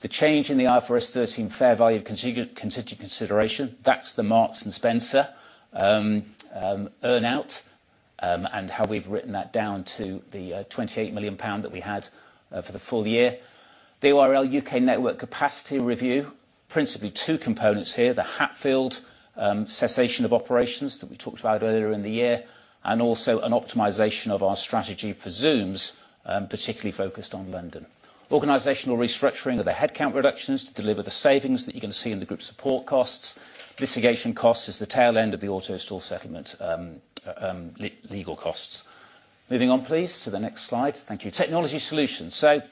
the change in the IFRS 13 fair value of contingent consideration. That's the Marks & Spencer earnout, and how we've written that down to the 28 million pound that we had for the full year. The ORL UK Network Capacity Review, principally two components here, the Hatfield cessation of operations that we talked about earlier in the year, and also an optimization of our strategy for Zooms, particularly focused on London. Organizational restructuring of the headcount reductions to deliver the savings that you're going to see in the group support costs. Litigation costs is the tail end of the AutoStore settlement, legal costs. Moving on, please, to the next slide. Thank you. Technology Solutions. So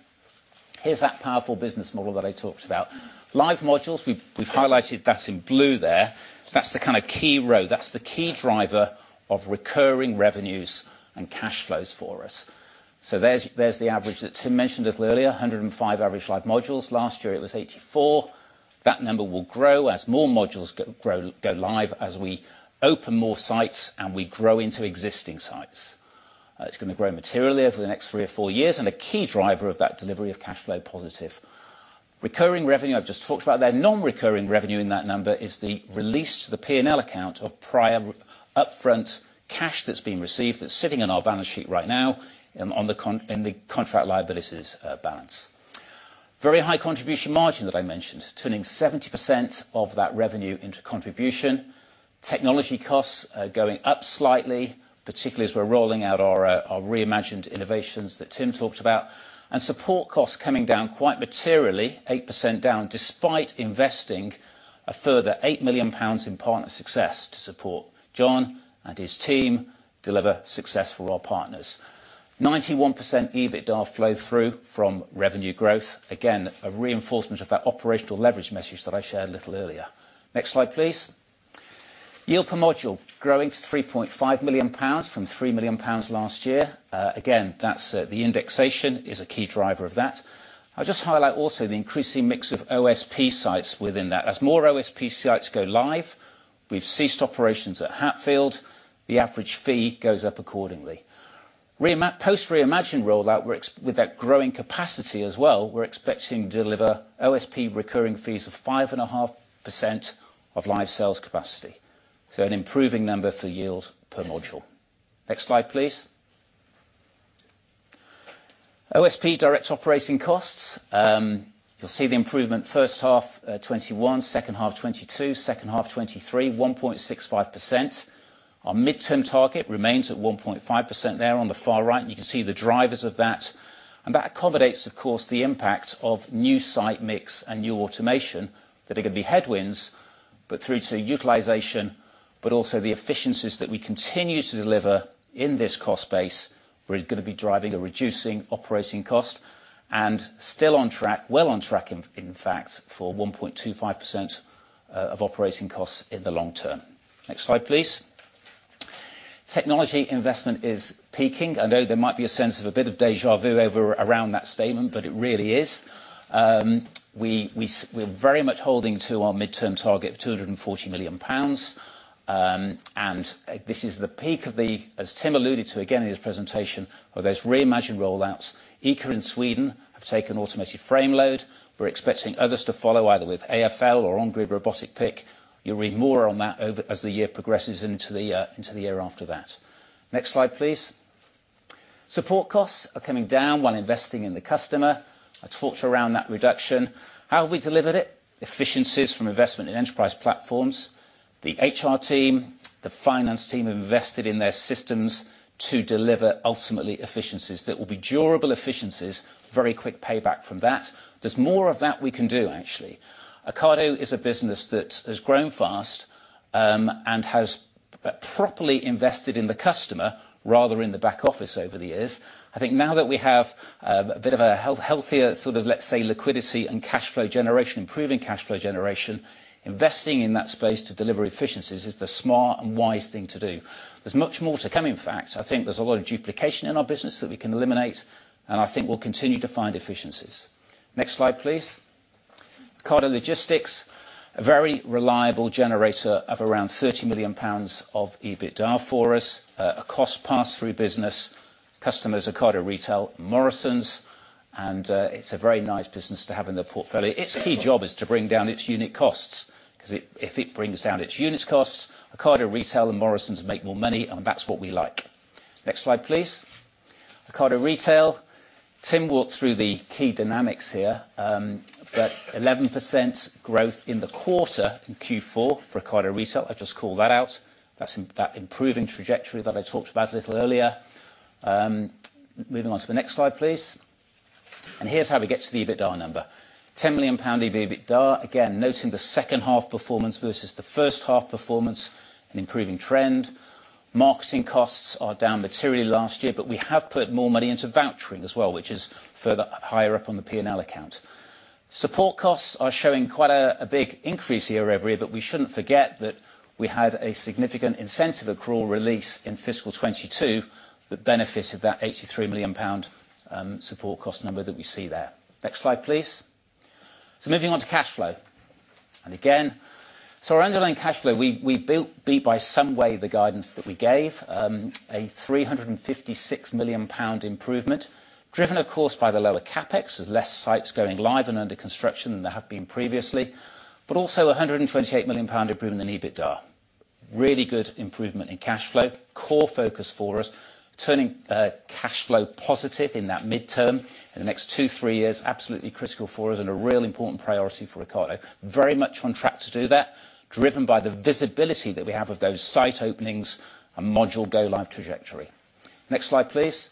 here's that powerful business model that I talked about. Live modules, we've highlighted that in blue there. That's the kind of key row. That's the key driver of recurring revenues and cash flows for us. So there's the average that Tim mentioned a little earlier, 105 average live modules. Last year, it was 84. That number will grow as more modules go live as we open more sites and we grow into existing sites. It's going to grow materially over the next three or four years. And a key driver of that delivery of cash flow positive. Recurring revenue I've just talked about there. Non-recurring revenue in that number is the released to the P&L account of prior upfront cash that's been received that's sitting on our balance sheet right now, on the line in the contract liabilities balance. Very high contribution margin that I mentioned, turning 70% of that revenue into contribution. Technology costs, going up slightly, particularly as we're rolling out our Re:Imagined innovations that Tim talked about. And support costs coming down quite materially, 8% down despite investing a further 8 million pounds in partner success to support John and his team, deliver success for our partners. 91% EBITDA flow through from revenue growth, again, a reinforcement of that operational leverage message that I shared a little earlier. Next slide, please. Yield per module, growing to 3.5 million pounds from 3 million pounds last year. Again, that's, the indexation is a key driver of that. I'll just highlight also the increasing mix of OSP sites within that. As more OSP sites go live, we've ceased operations at Hatfield, the average fee goes up accordingly. Post Re:Imagined rollout, we're expanding with that growing capacity as well, we're expecting to deliver OSP recurring fees of 5.5% of live sales capacity. So an improving number for yield per module. Next slide, please. OSP direct operating costs, you'll see the improvement first half, 2021, second half 2022, second half 2023, 1.65%. Our midterm target remains at 1.5% there on the far right. And you can see the drivers of that. That accommodates, of course, the impact of new site mix and new automation that are going to be headwinds, but through to utilization, but also the efficiencies that we continue to deliver in this cost base. We're going to be driving a reducing operating cost and still on track, well on track, in fact, for 1.25% of operating costs in the long term. Next slide, please. Technology investment is peaking. I know there might be a sense of a bit of déjà vu over or around that statement, but it really is. We're very much holding to our mid-term target of 240 million pounds. And this is the peak of the, as Tim alluded to, again, in his presentation, of those Re:Imagined rollouts. ICA in Sweden have taken automated frame load. We're expecting others to follow either with AFL or On-Grid Robotic Pick. You'll read more on that over as the year progresses into the year after that. Next slide, please. Support costs are coming down while investing in the customer. I talked around that reduction. How have we delivered it? Efficiencies from investment in enterprise platforms. The HR team, the finance team have invested in their systems to deliver, ultimately, efficiencies that will be durable efficiencies, very quick payback from that. There's more of that we can do, actually. Ocado is a business that has grown fast, and has properly invested in the customer rather than the back office over the years. I think now that we have a bit of a healthier sort of, let's say, liquidity and cash flow generation, improving cash flow generation, investing in that space to deliver efficiencies is the smart and wise thing to do. There's much more to come, in fact. I think there's a lot of duplication in our business that we can eliminate. I think we'll continue to find efficiencies. Next slide, please. Ocado Logistics, a very reliable generator of around 30 million pounds of EBITDA for us, a cost pass-through business. Customers Ocado Retail, Morrisons. It's a very nice business to have in their portfolio. Its key job is to bring down its unit costs because if it brings down its unit costs, Ocado Retail and Morrisons make more money. That's what we like. Next slide, please. Ocado Retail, Tim walked through the key dynamics here, but 11% growth in the quarter in Q4 for Ocado Retail. I'll just call that out. That's the improving trajectory that I talked about a little earlier. Moving on to the next slide, please. Here's how we get to the EBITDA number. 10 million pound EBITDA, again, noting the second half performance versus the first half performance, an improving trend. Marketing costs are down materially last year, but we have put more money into vouchering as well, which is further higher up on the P&L account. Support costs are showing quite a big increase here every year. But we shouldn't forget that we had a significant incentive accrual release in fiscal 2022 that benefited that 83 million pound support cost number that we see there. Next slide, please. So moving on to cash flow. And again, so our underlying cash flow, we beat by some way the guidance that we gave, a 356 million pound improvement driven, of course, by the lower CapEx, with less sites going live and under construction than there have been previously, but also a 128 million pound improvement in EBITDA. A really good improvement in cash flow, core focus for us, turning cash flow positive in that medium term in the next 2 years to 3 years, absolutely critical for us and a real important priority for Ocado. Very much on track to do that, driven by the visibility that we have of those site openings and module go-live trajectory. Next slide, please.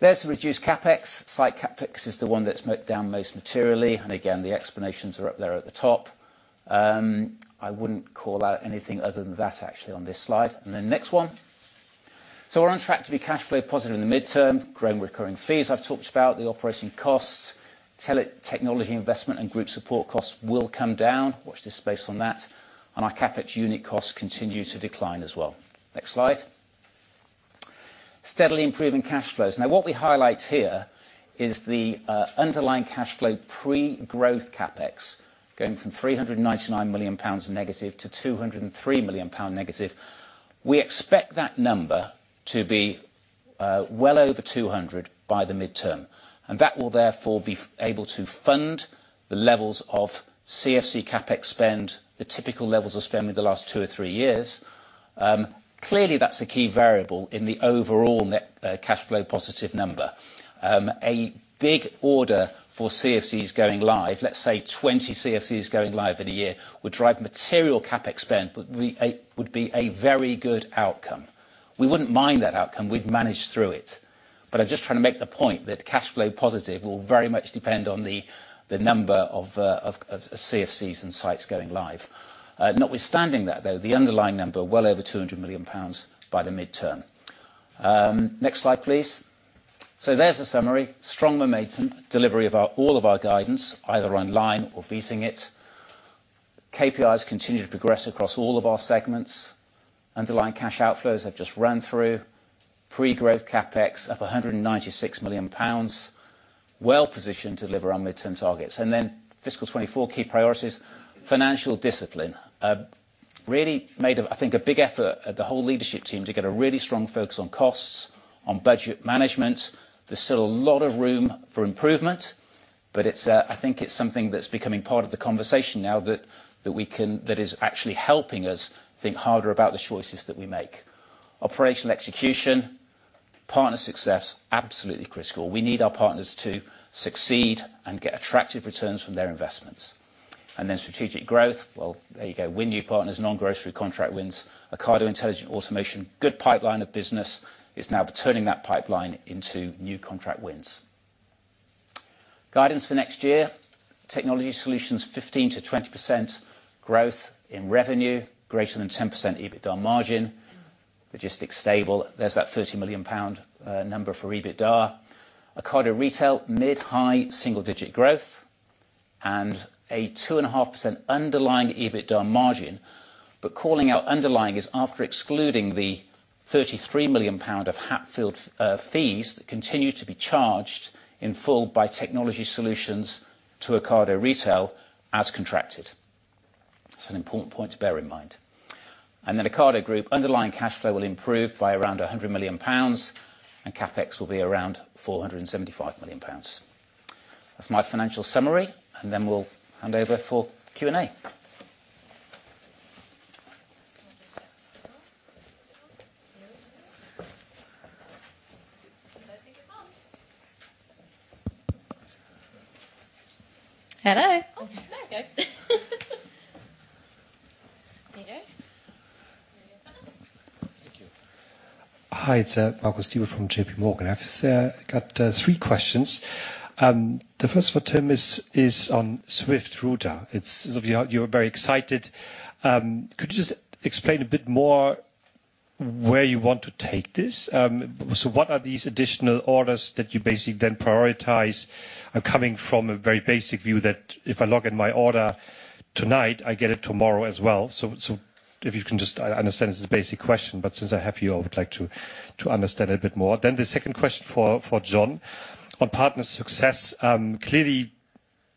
There's the reduced CapEx. Site CapEx is the one that's moved down most materially. And again, the explanations are up there at the top. I wouldn't call out anything other than that, actually, on this slide. And the next one. So we're on track to be cash flow positive in the medium term, growing recurring fees I've talked about, the operating costs, tech technology investment, and group support costs will come down. Watch this space on that. And our CapEx unit costs continue to decline as well. Next slide. Steadily improving cash flows. Now, what we highlight here is the underlying cash flow pre-growth Capex going from -399 million pounds to -203 million pound. We expect that number to be well over 200 by the midterm. And that will therefore be able to fund the levels of CFC Capex spend, the typical levels of spend within the last two or three years. Clearly, that's a key variable in the overall net cash flow positive number. A big order for CFCs going live, let's say 20 CFCs going live in a year, would drive material Capex spend, but we would be a very good outcome. We wouldn't mind that outcome. We'd manage through it. But I'm just trying to make the point that cash flow positive will very much depend on the number of CFCs and sites going live. Notwithstanding that, though, the underlying number, well over 200 million pounds by the midterm. Next slide, please. So there's a summary. Strong momentum, delivery of our all of our guidance, either online or beating it. KPIs continue to progress across all of our segments. Underlying cash outflows have just run through. Pre-growth Capex up 196 million pounds, well positioned to deliver our midterm targets. And then Fiscal 2024 key priorities, financial discipline. Really made, I think, a big effort at the whole leadership team to get a really strong focus on costs, on budget management. There's still a lot of room for improvement, but it's, I think it's something that's becoming part of the conversation now that, that we can that is actually helping us think harder about the choices that we make. Operational execution, partner success, absolutely critical. We need our partners to succeed and get attractive returns from their investments. Then strategic growth. Well, there you go, win new partners, non-grocery contract wins. Ocado Intelligent Automation, good pipeline of business, is now turning that pipeline into new contract wins. Guidance for next year, Technology Solutions, 15% to 20% growth in revenue, greater than 10% EBITDA margin, logistics stable. There's that 30 million pound number for EBITDA. Ocado Retail, mid-high single-digit growth and a 2.5% underlying EBITDA margin. But calling out underlying is after excluding the 33 million pound of Hatfield fees that continue to be charged in full by Technology Solutions to Ocado Retail as contracted. That's an important point to bear in mind. Then Ocado Group, underlying cash flow will improve by around 100 million pounds and CapEx will be around 475 million pounds. That's my financial summary. Then we'll hand over for Q&A. Hello. Oh, there we go. There you go. Thank you. Hi, it's Sean Stewart from JPMorgan. I've got three questions. The first one is on Swift Router. It's sort of, you're very excited. Could you just explain a bit more where you want to take this? So what are these additional orders that you basically then prioritize? I'm coming from a very basic view that if I log in my order tonight, I get it tomorrow as well. So, if you can just, I understand it's a basic question, but since I have you, I would like to, to understand it a bit more. Then the second question for John, on partner success. Clearly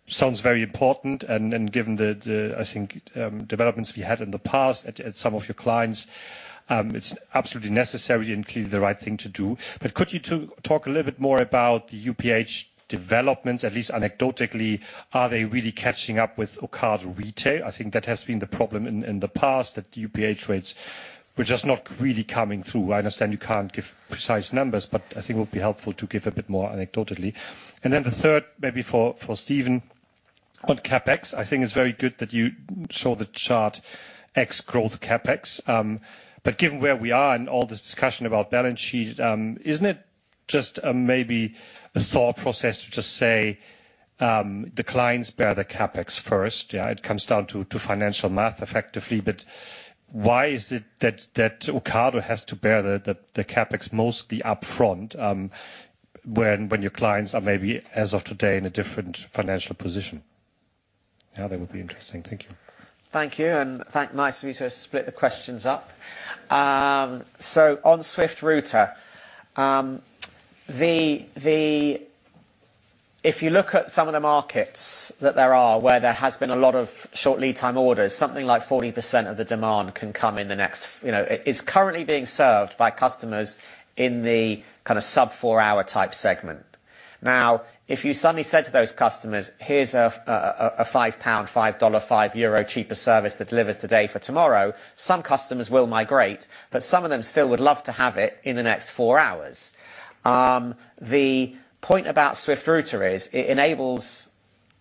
sounds very important. Given the developments we had in the past at some of your clients, it's absolutely necessary and clearly the right thing to do. But could you to talk a little bit more about the UPH developments, at least anecdotally, are they really catching up with Ocado Retail? I think that has been the problem in the past, that the UPH rates were just not really coming through. I understand you can't give precise numbers, but I think it would be helpful to give a bit more anecdotally. And then the third, maybe for Stephen, on CapEx, I think it's very good that you show the chart ex-growth CapEx. But given where we are and all this discussion about balance sheet, isn't it just maybe a thought process to just say, the clients bear the CapEx first? Yeah, it comes down to financial math effectively. But why is it that Ocado has to bear the Capex mostly upfront, when your clients are maybe, as of today, in a different financial position? Yeah, that would be interesting. Thank you. Thank you. And thanks nicely to have split the questions up. So on Swift Router, if you look at some of the markets that there are where there has been a lot of short lead time orders, something like 40% of the demand can come in the next few hours, you know, it is currently being served by customers in the kind of sub-four hour type segment. Now, if you suddenly said to those customers, "Here's a 5 pound, $5, 5 euro cheaper service that delivers today for tomorrow," some customers will migrate, but some of them still would love to have it in the next four hours. The point about Swift Router is it enables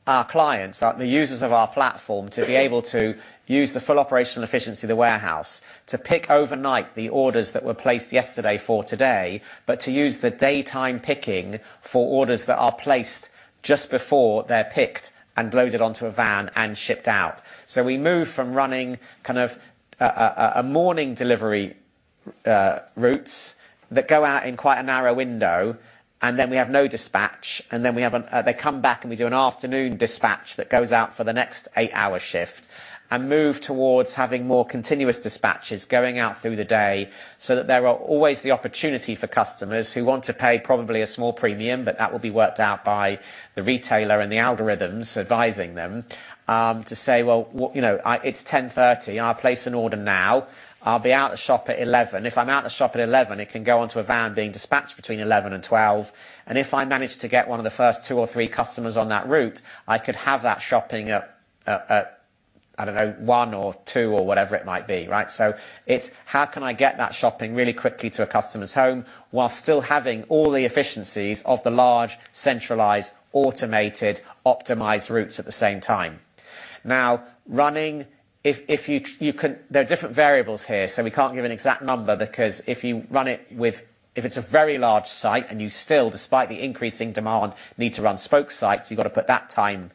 our clients, the users of our platform, to be able to use the full operational efficiency of the warehouse, to pick overnight the orders that were placed yesterday for today, but to use the daytime picking for orders that are placed just before they're picked and loaded onto a van and shipped out. So we move from running kind of a morning delivery routes that go out in quite a narrow window, and then we have no dispatch. Then they come back, and we do an afternoon dispatch that goes out for the next eight-hour shift and move towards having more continuous dispatches going out through the day so that there are always the opportunity for customers who want to pay probably a small premium, but that will be worked out by the retailer and the algorithms advising them, to say, "Well, what, you know, it's 10:30 AM. I'll place an order now. I'll be out of the shop at 11:00 AM. If I'm out of the shop at 11:00 AM., it can go onto a van being dispatched between 11:00 AM. and 12:00 P.M. And if I manage to get one of the first two or three customers on that route, I could have that shopping at, at, I don't know, 1:00 PM. or 2:00 PM. or whatever it might be," right? So it's how can I get that shopping really quickly to a customer's home while still having all the efficiencies of the large, centralized, automated, optimized routes at the same time? Now, running if you can, there are different variables here. So we can't give an exact number because if you run it with if it's a very large site and you still, despite the increasing demand, need to run spoke sites, you've got to put that time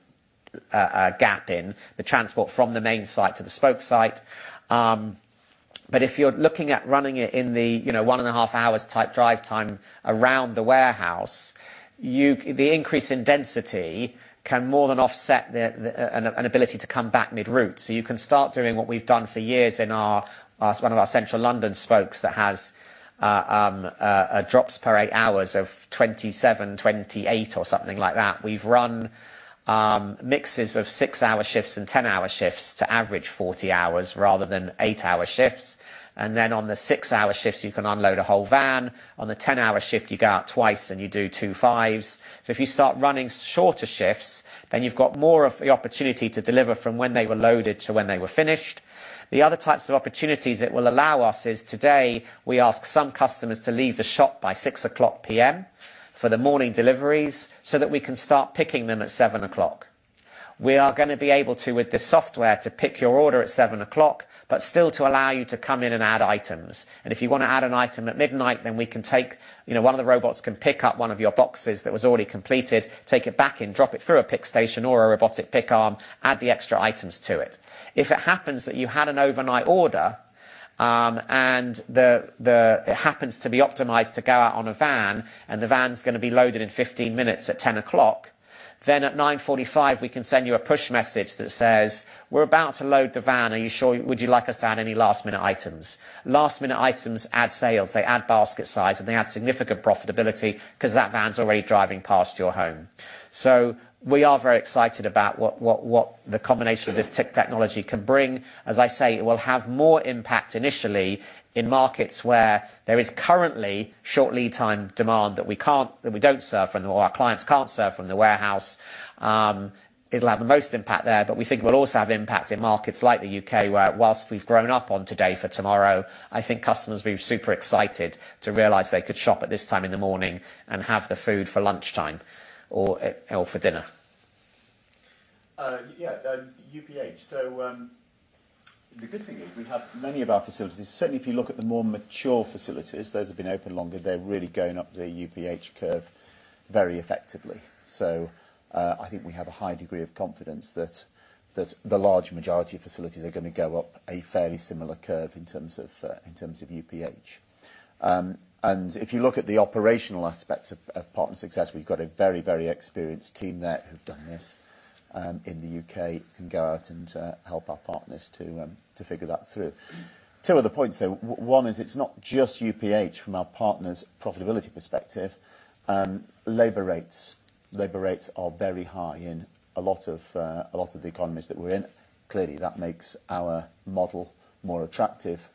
gap in, the transport from the main site to the spoke site. But if you're looking at running it in the, you know, 1.5 hours type drive time around the warehouse, you, the increase in density can more than offset the inability to come back mid-route. So you can start doing what we've done for years in one of our central London spokes that has drops per 8 hours of 27, 28, or something like that. We've run mixes of 6-hour shifts and 10-hour shifts to average 40 hours rather than 8-hour shifts. And then on the 6-hour shifts, you can unload a whole van. On the 10-hour shift, you go out twice, and you do two 5s. So if you start running shorter shifts, then you've got more of the opportunity to deliver from when they were loaded to when they were finished. The other types of opportunities it will allow us is today, we ask some customers to leave the shop by 6:00 PM for the morning deliveries so that we can start picking them at 7:00 AM. We are going to be able to, with this software, to pick your order at 7:00 PM. but still to allow you to come in and add items. And if you want to add an item at 12:00 AM, then we can take you know, one of the robots can pick up one of your boxes that was already completed, take it back in, drop it through a pick station or a robotic pick arm, add the extra items to it. If it happens that you had an overnight order, and it happens to be optimized to go out on a van, and the van's going to be loaded in 15 minutes at 10:00 AM, then at 9:45 AM., we can send you a push message that says, "We're about to load the van. Are you sure you would you like us to add any last-minute items?" Last-minute items add sales. They add basket size, and they add significant profitability because that van's already driving past your home. So we are very excited about what, what, what the combination of this tech technology can bring. As I say, it will have more impact initially in markets where there is currently short lead time demand that we can't that we don't serve from or our clients can't serve from the warehouse. It'll have the most impact there. But we think it will also have impact in markets like the U.K. where, whilst we've grown up on today for tomorrow, I think customers will be super excited to realize they could shop at this time in the morning and have the food for lunchtime or for dinner. Yeah, UPH. So, the good thing is we have many of our facilities certainly, if you look at the more mature facilities, those have been open longer. They're really going up the UPH curve very effectively. So, I think we have a high degree of confidence that the large majority of facilities are going to go up a fairly similar curve in terms of UPH. And if you look at the operational aspects of partner success, we've got a very, very experienced team there who've done this in the U.K., can go out and help our partners to figure that through. Two other points, though. One is it's not just UPH from our partner's profitability perspective. Labor rates are very high in a lot of the economies that we're in. Clearly, that makes our model more attractive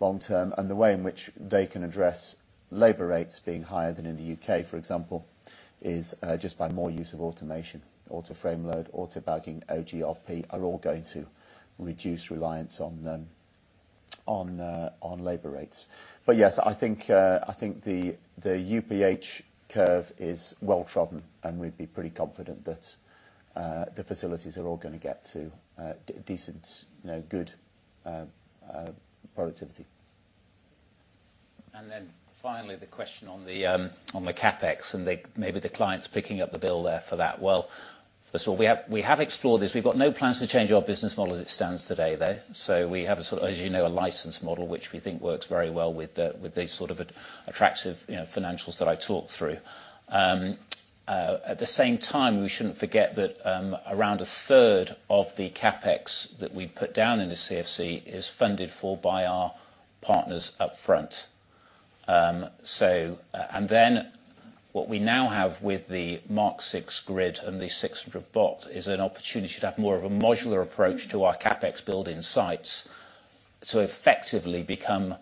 long term. The way in which they can address labor rates being higher than in the U.K., for example, is just by more use of automation. Auto Frame Load, auto-bagging, OGRP are all going to reduce reliance on labor rates. But yes, I think the UPH curve is well-trodden, and we'd be pretty confident that the facilities are all going to get to decent, you know, good productivity. Then finally, the question on the Capex and maybe the clients picking up the bill there for that. Well, first of all, we have explored this. We've got no plans to change our business model as it stands today, though. So we have a sort of, as you know, a licensed model, which we think works very well with these sort of attractive, you know, financials that I talked through. At the same time, we shouldn't forget that, around a third of the Capex that we put down in the CFC is funded for by our partners upfront. So and then what we now have with the Mark VI grid and the 600 bot is an opportunity to have more of a modular approach to our Capex building sites to effectively become,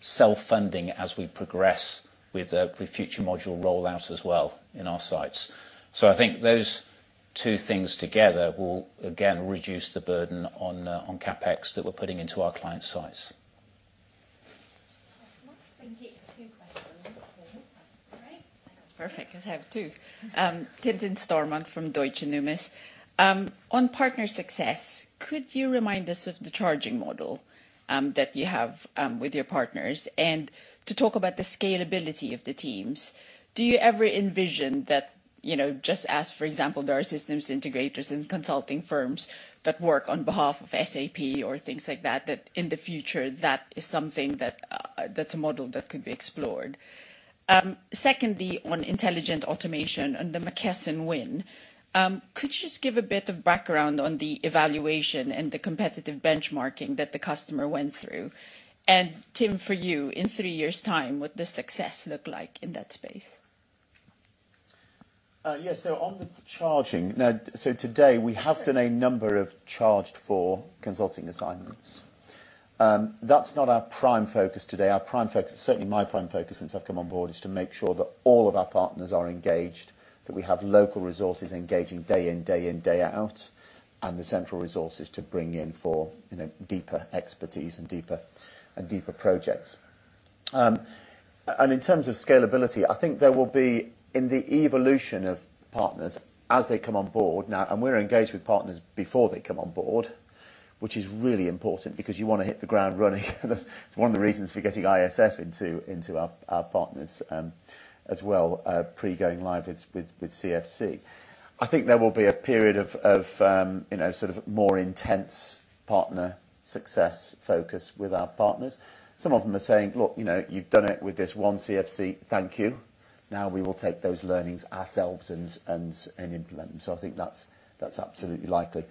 self-funding as we progress with, with future Module rollouts as well in our sites. So I think those two things together will, again, reduce the burden on, on Capex that we're putting into our client sites. Thank you for two questions. Great. That's perfect because I have two. Tintin Stormont from Deutsche Numis. On partner success, could you remind us of the charging model, that you have, with your partners? And to talk about the scalability of the teams, do you ever envision that, you know, just as, for example, there are systems integrators and consulting firms that work on behalf of SAP or things like that, that in the future, that is something that, that's a model that could be explored? Secondly, on intelligent automation and the McKesson win, could you just give a bit of background on the evaluation and the competitive benchmarking that the customer went through? And Tim, for you, in three years' time, what does success look like in that space? Yeah. So on the charging now, so today, we have done a number of charged-for consulting assignments. That's not our prime focus today. Our prime focus certainly my prime focus since I've come on board is to make sure that all of our partners are engaged, that we have local resources engaging day in, day out, and the central resources to bring in for, you know, deeper expertise and deeper and deeper projects. In terms of scalability, I think there will be in the evolution of partners as they come on board now, and we're engaged with partners before they come on board, which is really important because you want to hit the ground running. That's one of the reasons for getting ISF into our partners, as well, pre-going live with CFC. I think there will be a period of, you know, sort of more intense partner success focus with our partners. Some of them are saying, "Look, you know, you've done it with this one CFC. Thank you. Now we will take those learnings ourselves and implement them." So I think that's absolutely likely.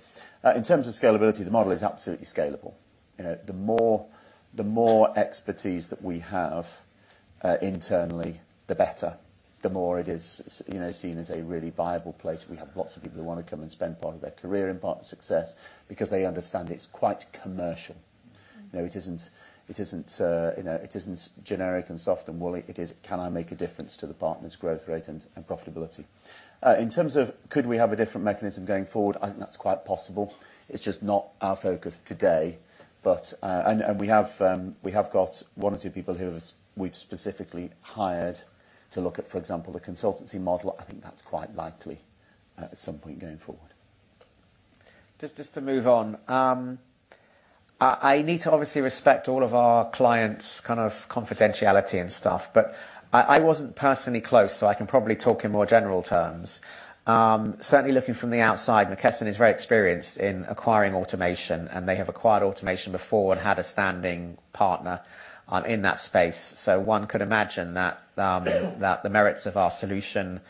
In terms of scalability, the model is absolutely scalable. You know, the more expertise that we have, internally, the better, the more it is, you know, seen as a really viable place. We have lots of people who want to come and spend part of their career in partner success because they understand it's quite commercial. You know, it isn't, you know, it isn't generic and soft and woolly. It is, "Can I make a difference to the partner's growth rate and profitability?" In terms of could we have a different mechanism going forward, I think that's quite possible. It's just not our focus today. But we have got one or two people who we've specifically hired to look at, for example, the consultancy model. I think that's quite likely, at some point going forward. Just to move on. I need to obviously respect all of our clients' kind of confidentiality and stuff, but I wasn't personally close, so I can probably talk in more general terms. Certainly looking from the outside, McKesson is very experienced in acquiring automation, and they have acquired automation before and had a standing partner in that space. So one could imagine that the merits of our solution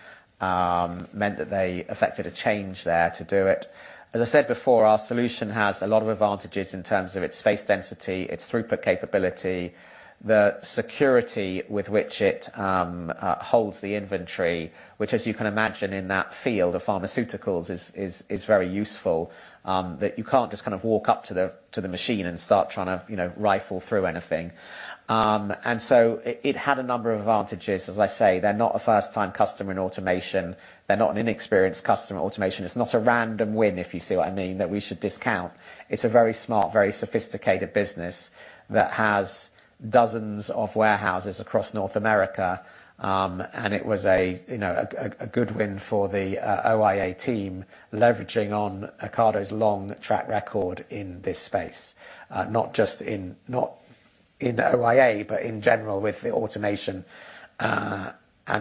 meant that they affected a change there to do it. As I said before, our solution has a lot of advantages in terms of its space density, its throughput capability, the security with which it holds the inventory, which, as you can imagine, in that field of pharmaceuticals is very useful, that you can't just kind of walk up to the machine and start trying to, you know, rifle through anything. And so it had a number of advantages. As I say, they're not a first-time customer in automation. They're not an inexperienced customer in automation. It's not a random win, if you see what I mean, that we should discount. It's a very smart, very sophisticated business that has dozens of warehouses across North America. And it was, you know, a good win for the OIA team leveraging on Ocado's long track record in this space, not just in OIA but in general with the automation, and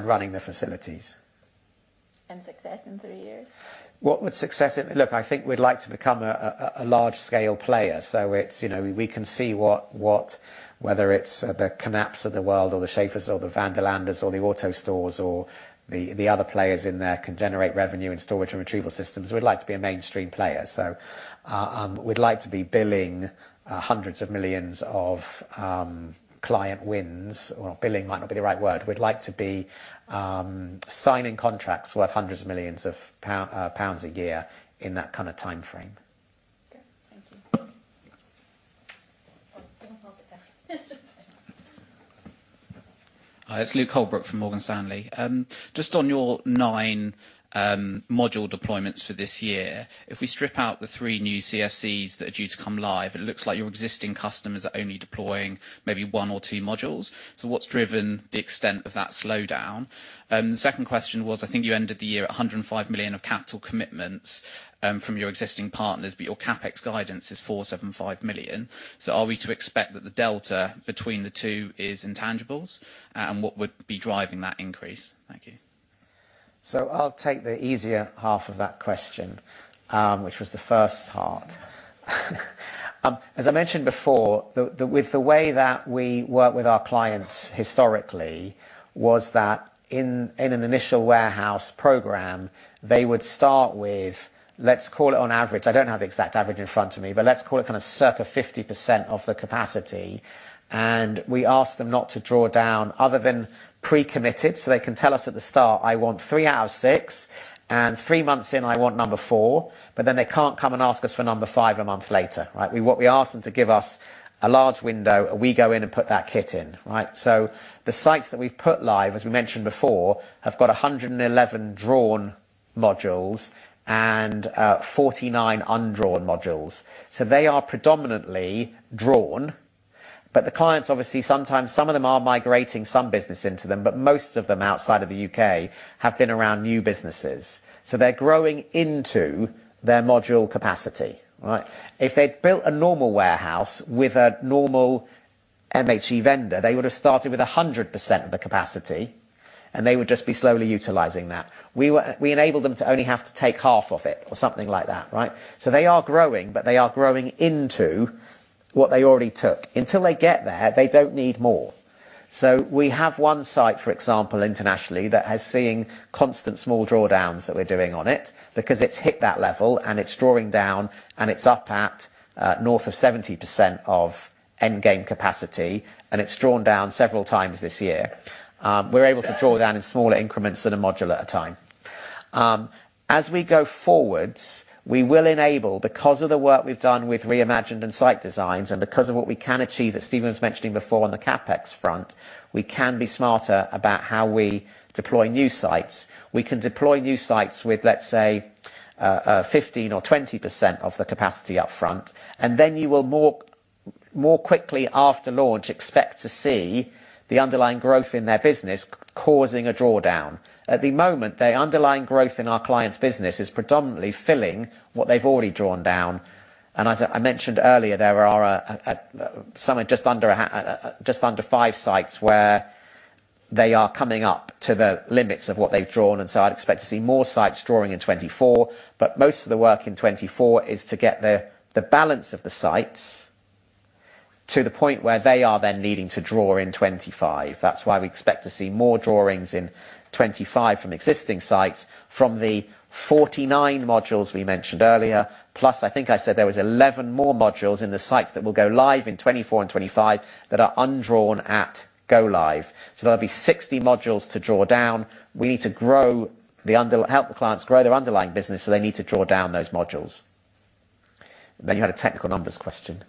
running the facilities. And success in three years? What would success look like, I think we'd like to become a large-scale player. So it's, you know, we can see whether it's the Knapps of the world or the Schaefers or the Vanderlandes or the AutoStore or the other players in there can generate revenue in storage and retrieval systems. We'd like to be a mainstream player. So, we'd like to be billing hundreds of millions GBP of client wins. Well, billing might not be the right word. We'd like to be signing contracts worth hundreds of millions of pounds a year in that kind of time frame. Okay. Thank you. It's Luke Holbrook from Morgan Stanley. Just on your nine module deployments for this year, if we strip out the three new CFCs that are due to come live, it looks like your existing customers are only deploying maybe one or two modules. So what's driven the extent of that slowdown? The second question was, I think you ended the year at 105 million of capital commitments from your existing partners, but your Capex guidance is 475 million. So are we to expect that the delta between the two is intangibles, and what would be driving that increase? Thank you. So I'll take the easier half of that question, which was the first part. As I mentioned before, the way that we work with our clients historically was that in an initial warehouse program, they would start with, let's call it on average I don't have the exact average in front of me, but let's call it kind of circa 50% of the capacity. And we ask them not to draw down other than pre-committed. So they can tell us at the start, "I want 3 out of 6, and three months in, I want number 4," but then they can't come and ask us for number 5 a month later, right? What we ask them to give us a large window where we go in and put that kit in, right? So the sites that we've put live, as we mentioned before, have got 111 drawn modules and 49 undrawn modules. So they are predominantly drawn, but the clients obviously sometimes some of them are migrating some business into them, but most of them outside of the U.K. have been around new businesses. So they're growing into their module capacity, right? If they'd built a normal warehouse with a normal MHE vendor, they would have started with 100% of the capacity, and they would just be slowly utilizing that. We enabled them to only have to take half of it or something like that, right? So they are growing, but they are growing into what they already took. Until they get there, they don't need more. So we have one site, for example, internationally that has seen constant small drawdowns that we're doing on it because it's hit that level, and it's drawing down, and it's up at north of 70% of endgame capacity, and it's drawn down several times this year. We're able to draw down in smaller increments than a module at a time. As we go forwards, we will enable because of the work we've done with Re:Imagined and site designs and because of what we can achieve that Stephen was mentioning before on the Capex front, we can be smarter about how we deploy new sites. We can deploy new sites with, let's say, 15% or 20% of the capacity upfront. And then you will more quickly after launch expect to see the underlying growth in their business causing a drawdown. At the moment, the underlying growth in our client's business is predominantly filling what they've already drawn down. And as I mentioned earlier, there are, somewhere just under five sites where they are coming up to the limits of what they've drawn. And so I'd expect to see more sites drawing in 2024, but most of the work in 2024 is to get the balance of the sites to the point where they are then needing to draw in 2025. That's why we expect to see more drawings in 2025 from existing sites from the 49 modules we mentioned earlier, plus I think I said there was 11 more modules in the sites that will go live in 2024 and 2025 that are undrawn at go-live. So there'll be 60 modules to draw down. We need to grow and help the clients grow their underlying business, so they need to draw down those modules. Then you had a technical numbers question.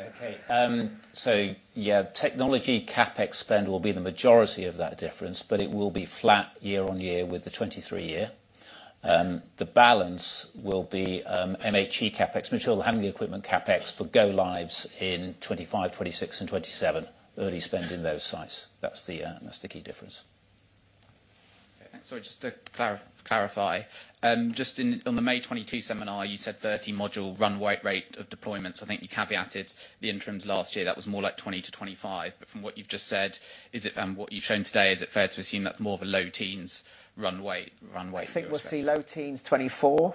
Okay. So yeah, technology CapEx spend will be the majority of that difference, but it will be flat year-on-year with the 2023 year. The balance will be MHE CapEx, material handling equipment CapEx for go-lives in 2025, 2026, and 2027, early spend in those sites. That's the key difference. Okay. Thanks. Sorry, just to clarify. Just one on the May 2022 seminar, you said 30-module run rate of deployments. I think you caveated the interims last year. That was more like 20-25. But from what you've just said, is it what you've shown today, is it fair to assume that's more of a low-teens run rate? I think we'll see low-teens 2024,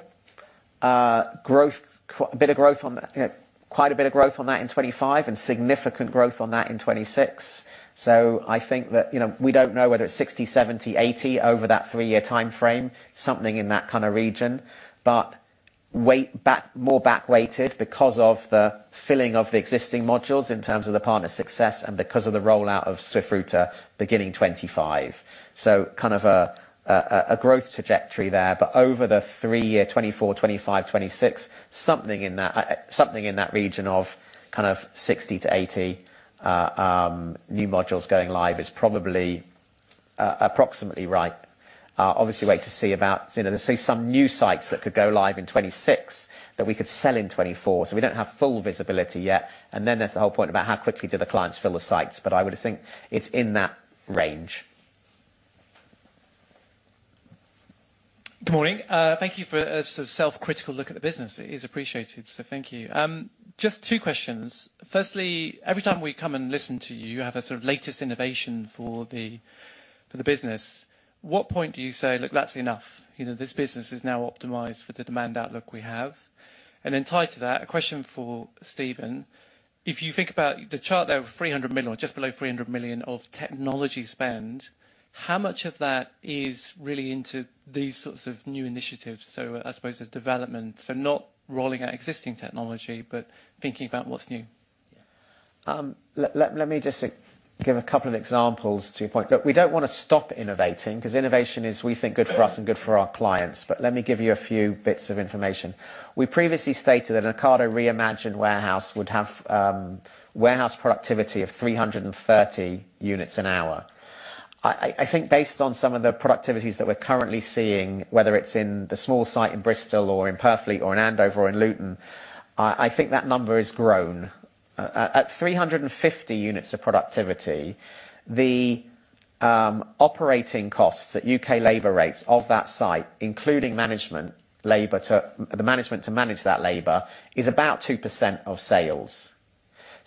growth, quite a bit of growth on that you know, quite a bit of growth on that in 2025 and significant growth on that in 2026. So I think that, you know, we don't know whether it's 60, 70, 80 over that three-year time frame, something in that kind of region, but weighted back more back weighted because of the filling of the existing modules in terms of the partner success and because of the rollout of Swift Router beginning 2025. So kind of a growth trajectory there. But over the three-year 2024, 2025, 2026, something in that something in that region of kind of 60 to 80 new modules going live is probably approximately right. Obviously wait to see about you know, there'll be some new sites that could go live in 2026 that we could sell in 2024. So we don't have full visibility yet. And then there's the whole point about how quickly do the clients fill the sites, but I would think it's in that range. Good morning. Thank you for a sort of self-critical look at the business. It is appreciated. So thank you. Just two questions. Firstly, every time we come and listen to you, you have a sort of latest innovation for the business. What point do you say, "Look, that's enough. You know, this business is now optimized for the demand outlook we have?" And then tied to that, a question for Stephen. If you think about the chart there of 300 million or just below 300 million of technology spend, how much of that is really into these sorts of new initiatives? So I suppose the development so not rolling out existing technology, but thinking about what's new. Yeah. Let me just give a couple of examples to your point. Look, we don't want to stop innovating because innovation is, we think, good for us and good for our clients. But let me give you a few bits of information. We previously stated that an Ocado Re:Imagined warehouse would have warehouse productivity of 330 units an hour. I think based on some of the productivities that we're currently seeing, whether it's in the small site in Bristol or in Purfleet or in Andover or in Luton, I think that number is grown at 350 units of productivity. The operating costs at U.K. labor rates of that site, including management labor to the management to manage that labor, is about 2% of sales.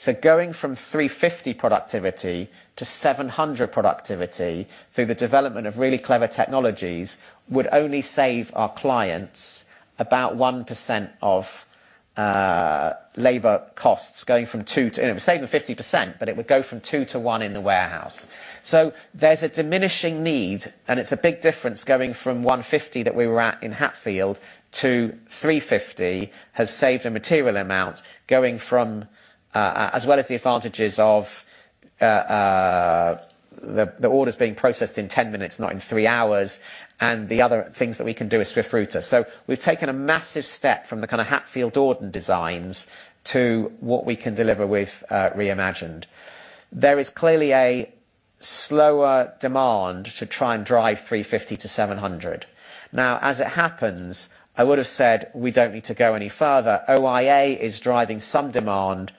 So going from 350 productivity to 700 productivity through the development of really clever technologies would only save our clients about 1% of labor costs, going from 2 to you know, it would save them 50%, but it would go from 2 to 1 in the warehouse. So there's a diminishing need, and it's a big difference going from 150 that we were at in Hatfield to 350 has saved a material amount going from, as well as the advantages of the orders being processed in 10 minutes, not in three hours, and the other things that we can do at Swift Router. So we've taken a massive step from the kind of Hatfield/Dordon designs to what we can deliver with Re:Imagined. There is clearly a slower demand to try and drive 350 to 700. Now, as it happens, I would have said, "We don't need to go any further. OIA is driving some demand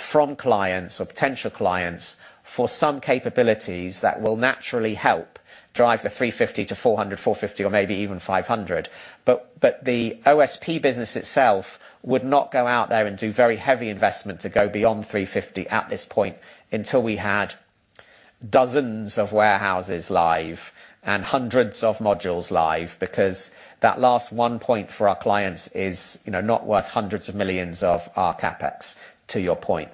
from clients or potential clients for some capabilities that will naturally help drive the 350 to 400, 450, or maybe even 500. But the OSP business itself would not go out there and do very heavy investment to go beyond 350 at this point until we had dozens of warehouses live and hundreds of modules live because that last 1% for our clients is, you know, not worth 100s of millions of our CapEx, to your point.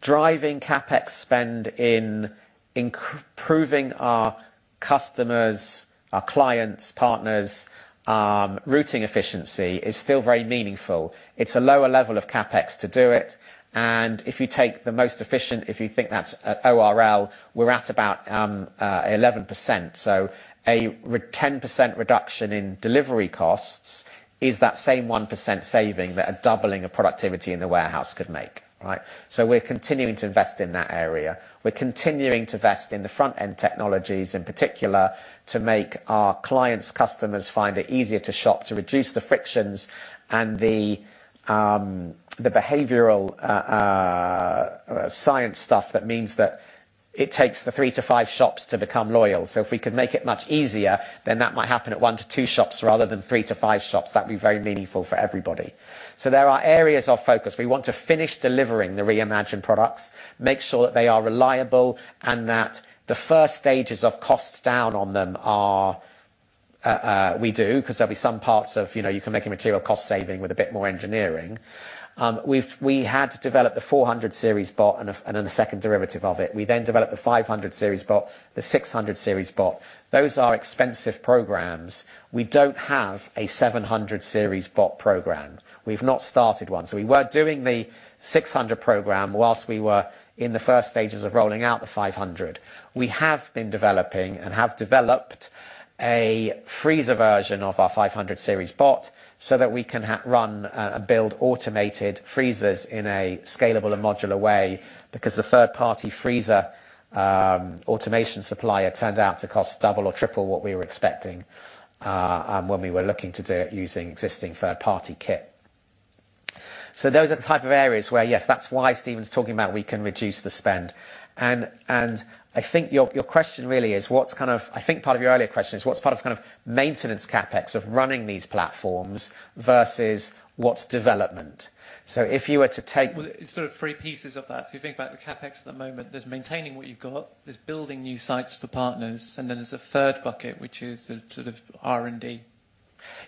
Driving CapEx spend in improving our customers, our clients, partners, routing efficiency is still very meaningful. It's a lower level of CapEx to do it. And if you take the most efficient if you think that's a ORL, we're at about 11%. So a 10% reduction in delivery costs is that same 1% saving that a doubling of productivity in the warehouse could make, right? So we're continuing to invest in that area. We're continuing to invest in the front-end technologies in particular to make our clients, customers find it easier to shop, to reduce the frictions, and the behavioral science stuff that means that it takes the three to five shops to become loyal. So if we could make it much easier, then that might happen at one to two shops rather than three to five shops. That'd be very meaningful for everybody. So there are areas of focus. We want to finish delivering the Re:Imagined products, make sure that they are reliable, and that the first stages of cost down on them are as we do because there'll be some parts of, you know, you can make a material cost saving with a bit more engineering. We've had to develop the 400-series bot and then a second derivative of it. We then developed the 500-series bot, the 600-series bot. Those are expensive programs. We don't have a 700-series bot program. We've not started one. So we were doing the 600 program while we were in the first stages of rolling out the 500. We have been developing and have developed a freezer version of our 500-series bot so that we can run and build automated freezers in a scalable and modular way because the third-party freezer automation supplier turned out to cost double or triple what we were expecting, when we were looking to do it using existing third-party kit. So those are the type of areas where, yes, that's why Stephen's talking about we can reduce the spend. And I think your question really is what's kind of, I think part of your earlier question is, what's part of kind of maintenance CapEx of running these platforms versus what's development? So if you were to take. well, it's sort of three pieces of that. So you think about the CapEx at the moment. There's maintaining what you've got. There's building new sites for partners. And then there's a third bucket, which is the sort of R&D.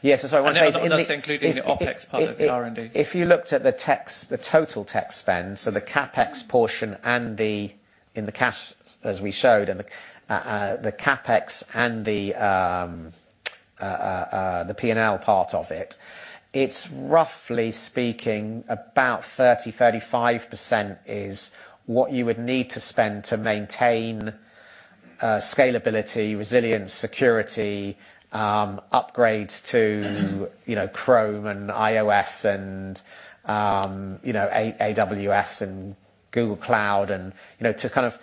Yes. And then another that's including the OpEx part of the R&D. If you looked at the techs the total tech spend, so the CapEx portion and the cash, as we showed, and the CapEx and the P&L part of it, it's roughly speaking about 30%-35% is what you would need to spend to maintain scalability, resilience, security, upgrades to, you know, Chrome and iOS and, you know, AWS and Google Cloud and, you know, to kind of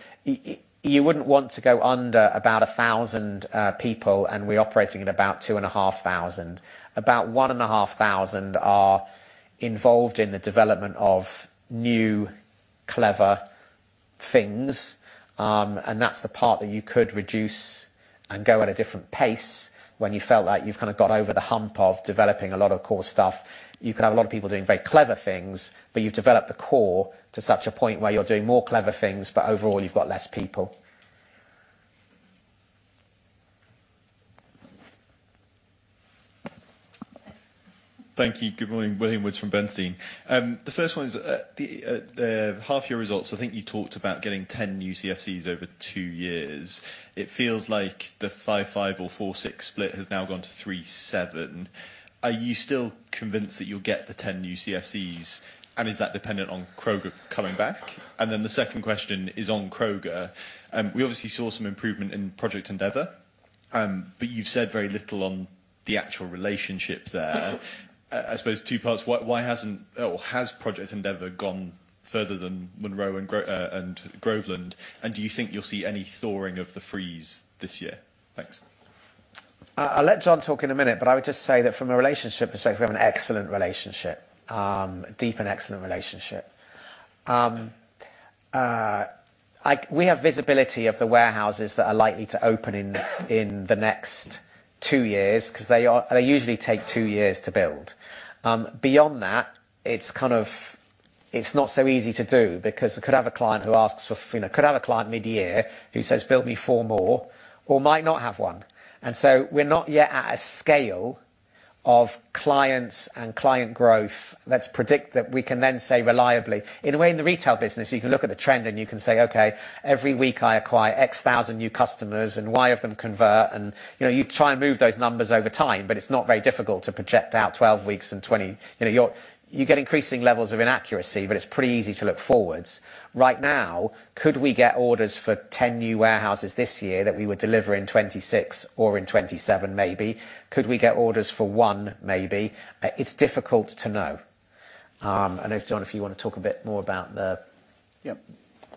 you wouldn't want to go under about 1,000 people, and we're operating at about 2,500. About 1,500 are involved in the development of new, clever things, and that's the part that you could reduce and go at a different pace when you felt like you've kind of got over the hump of developing a lot of core stuff. You could have a lot of people doing very clever things, but you've developed the core to such a point where you're doing more clever things, but overall, you've got less people. Thanks. Thank you. Good morning, William Woods from Bernstein. The first one is, the, the half-year results. I think you talked about getting 10 new CFCs over two years. It feels like the 5-5 or 4-6 split has now gone to 3-7. Are you still convinced that you'll get the 10 new CFCs, and is that dependent on Kroger coming back? And then the second question is on Kroger. We obviously saw some improvement in Project Endeavor, but you've said very little on the actual relationship there. I suppose two parts. Why hasn't or has Project Endeavor gone further than Monroe and Groveland? Do you think you'll see any thawing of the freeze this year? Thanks. I'll let John talk in a minute, but I would just say that from a relationship perspective, we have an excellent relationship, deep and excellent relationship. We have visibility of the warehouses that are likely to open in the next two years because they usually take two years to build. Beyond that, it's kind of not so easy to do because you could have a client who asks for you know, could have a client mid-year who says, "Build me four more," or might not have one. So we're not yet at a scale of clients and client growth that's predict that we can then say reliably in a way. In the retail business, you can look at the trend, and you can say, "Okay, every week, I acquire x thousand new customers, and why have them convert?" And, you know, you try and move those numbers over time, but it's not very difficult to project out 12 weeks and 20, you know, you get increasing levels of inaccuracy, but it's pretty easy to look forwards. Right now, could we get orders for 10 new warehouses this year that we would deliver in 2026 or in 2027, maybe? Could we get orders for one, maybe? It's difficult to know. I don't know if John, if you want to talk a bit more about the yep,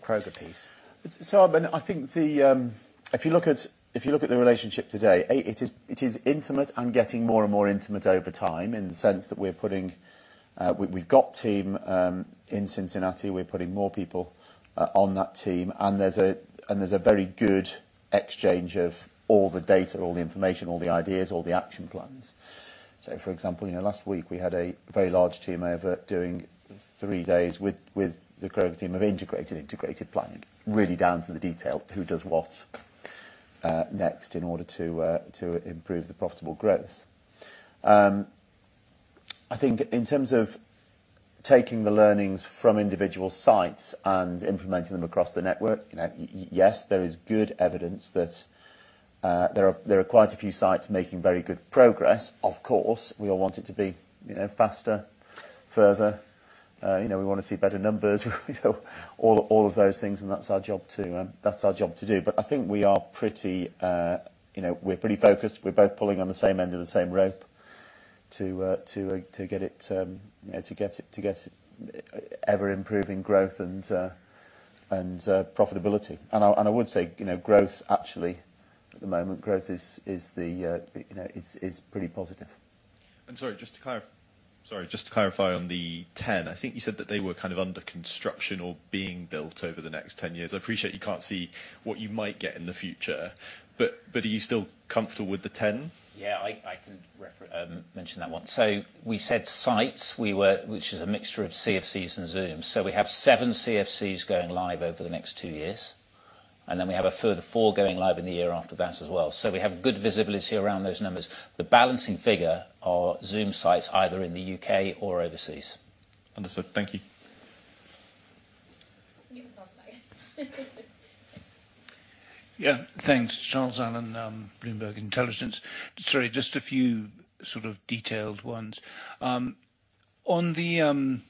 Kroger piece. It's so, I mean, I think if you look at the relationship today, it is intimate and getting more and more intimate over time in the sense that we've got a team in Cincinnati. We're putting more people on that team. And there's a very good exchange of all the data, all the information, all the ideas, all the action plans. So, for example, you know, last week, we had a very large team over doing three days with the Kroger team of integrated planning, really down to the detail, who does what next in order to improve the profitable growth. I think in terms of taking the learnings from individual sites and implementing them across the network, you know, yes, there is good evidence that there are quite a few sites making very good progress. Of course, we all want it to be, you know, faster, further. You know, we want to see better numbers. You know, all of those things, and that's our job too. That's our job to do. But I think we are pretty, you know, we're pretty focused. We're both pulling on the same end of the same rope to get it, you know, ever-improving growth and profitability. And I would say, you know, growth actually at the moment, growth is the, you know, it's pretty positive. Sorry, just to clarify on the 10, I think you said that they were kind of under construction or being built over the next 10 years. I appreciate you can't see what you might get in the future, but are you still comfortable with the 10? Yeah. I can refer mention that one. So we said sites. We were which is a mixture of CFCs and Zooms. So we have 7 CFCs going live over the next two years, and then we have a further 4 CFCs going live in the year after that as well. So we have good visibility around those numbers. The balancing figure are Zoom sites either in the UK or overseas. Understood. Thank you. Yeah. Thanks, Charles Allen, Bloomberg Intelligence. Sorry, just a few sort of detailed ones. On the,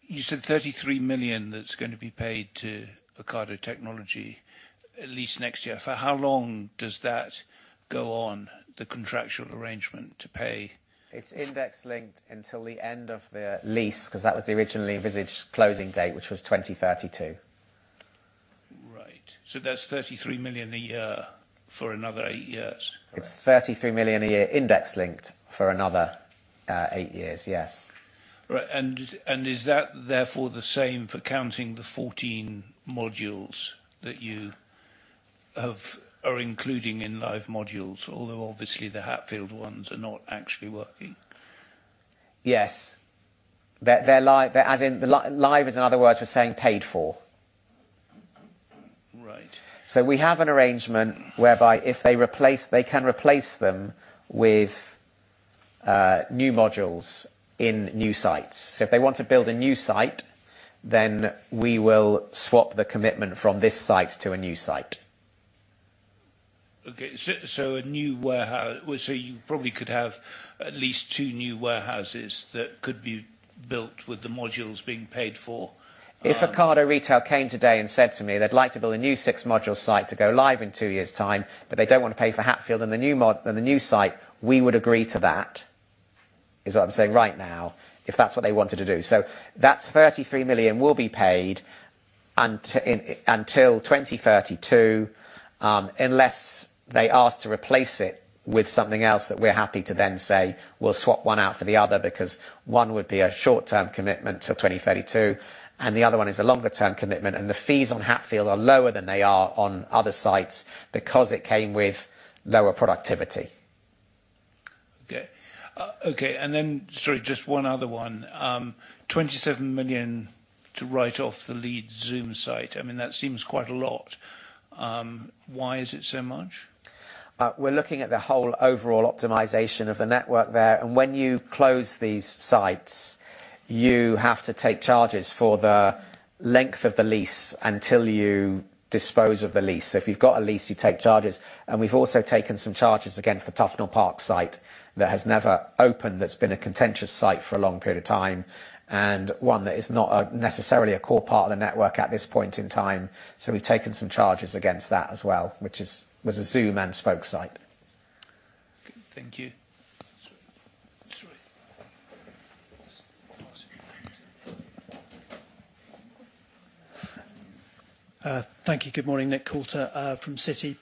you said 33 million that's going to be paid to Ocado Technology at least next year. For how long does that go on, the contractual arrangement, to pay? It's index-linked until the end of the lease because that was the originally envisaged closing date, which was 2032. Right. So that's 33 million a year for another eight years. Correct. It's 33 million a year index-linked for another eight years, yes. Right. And is that therefore the same for counting the 14 modules that you have are including in live modules, although obviously, the Hatfield ones are not actually working? Yes. They're live, as in the live, as in other words, we're saying paid for. Right. So we have an arrangement whereby if they replace they can replace them with new modules in new sites. So if they want to build a new site, then we will swap the commitment from this site to a new site. Okay. So, a new warehouse well, so you probably could have at least two new warehouses that could be built with the modules being paid for. If Ocado Retail came today and said to me, "They'd like to build a new six-module site to go live in two years' time, but they don't want to pay for Hatfield and the new mod and the new site," we would agree to that, is what I'm saying right now, if that's what they wanted to do. So that 33 million will be paid until 2032, unless they ask to replace it with something else that we're happy to then say, "We'll swap one out for the other," because one would be a short-term commitment till 2032, and the other one is a longer-term commitment. And the fees on Hatfield are lower than they are on other sites because it came with lower productivity. Okay. Okay. And then sorry, just one other one. 27 million to write off the lead Zoom site. I mean, that seems quite a lot. Why is it so much? We're looking at the whole overall optimization of the network there. And when you close these sites, you have to take charges for the length of the lease until you dispose of the lease. So if you've got a lease, you take charges. And we've also taken some charges against the Tufnell Park site that has never opened, that's been a contentious site for a long period of time, and one that is not necessarily a core part of the network at this point in time. So we've taken some charges against that as well, which was a Zoom and spoke site. Thank you. Good morning, Nick Coulter, from Citi.